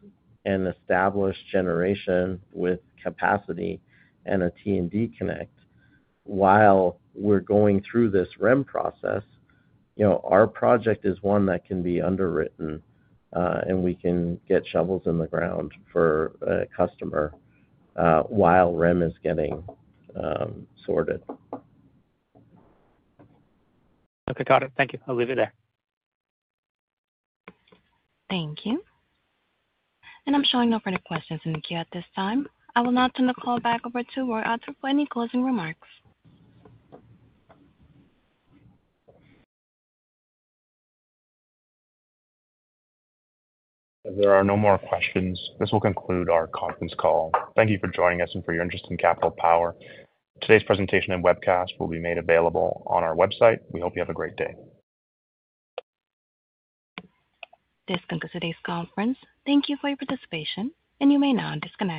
and established generation with capacity and a T&D connect while we're going through this REM process, our project is one that can be underwritten, and we can get shovels in the ground for a customer, while REM is getting sorted. Okay. Got it. Thank you. I'll leave it there. Thank you. I'm showing no further questions in the queue at this time. I will now turn the call back over to Roy Arthur for any closing remarks. If there are no more questions, this will conclude our conference call. Thank you for joining us and for your interest in Capital Power. Today's presentation and webcast will be made available on our website. We hope you have a great day. This concludes today's conference. Thank you for your participation, and you may now disconnect.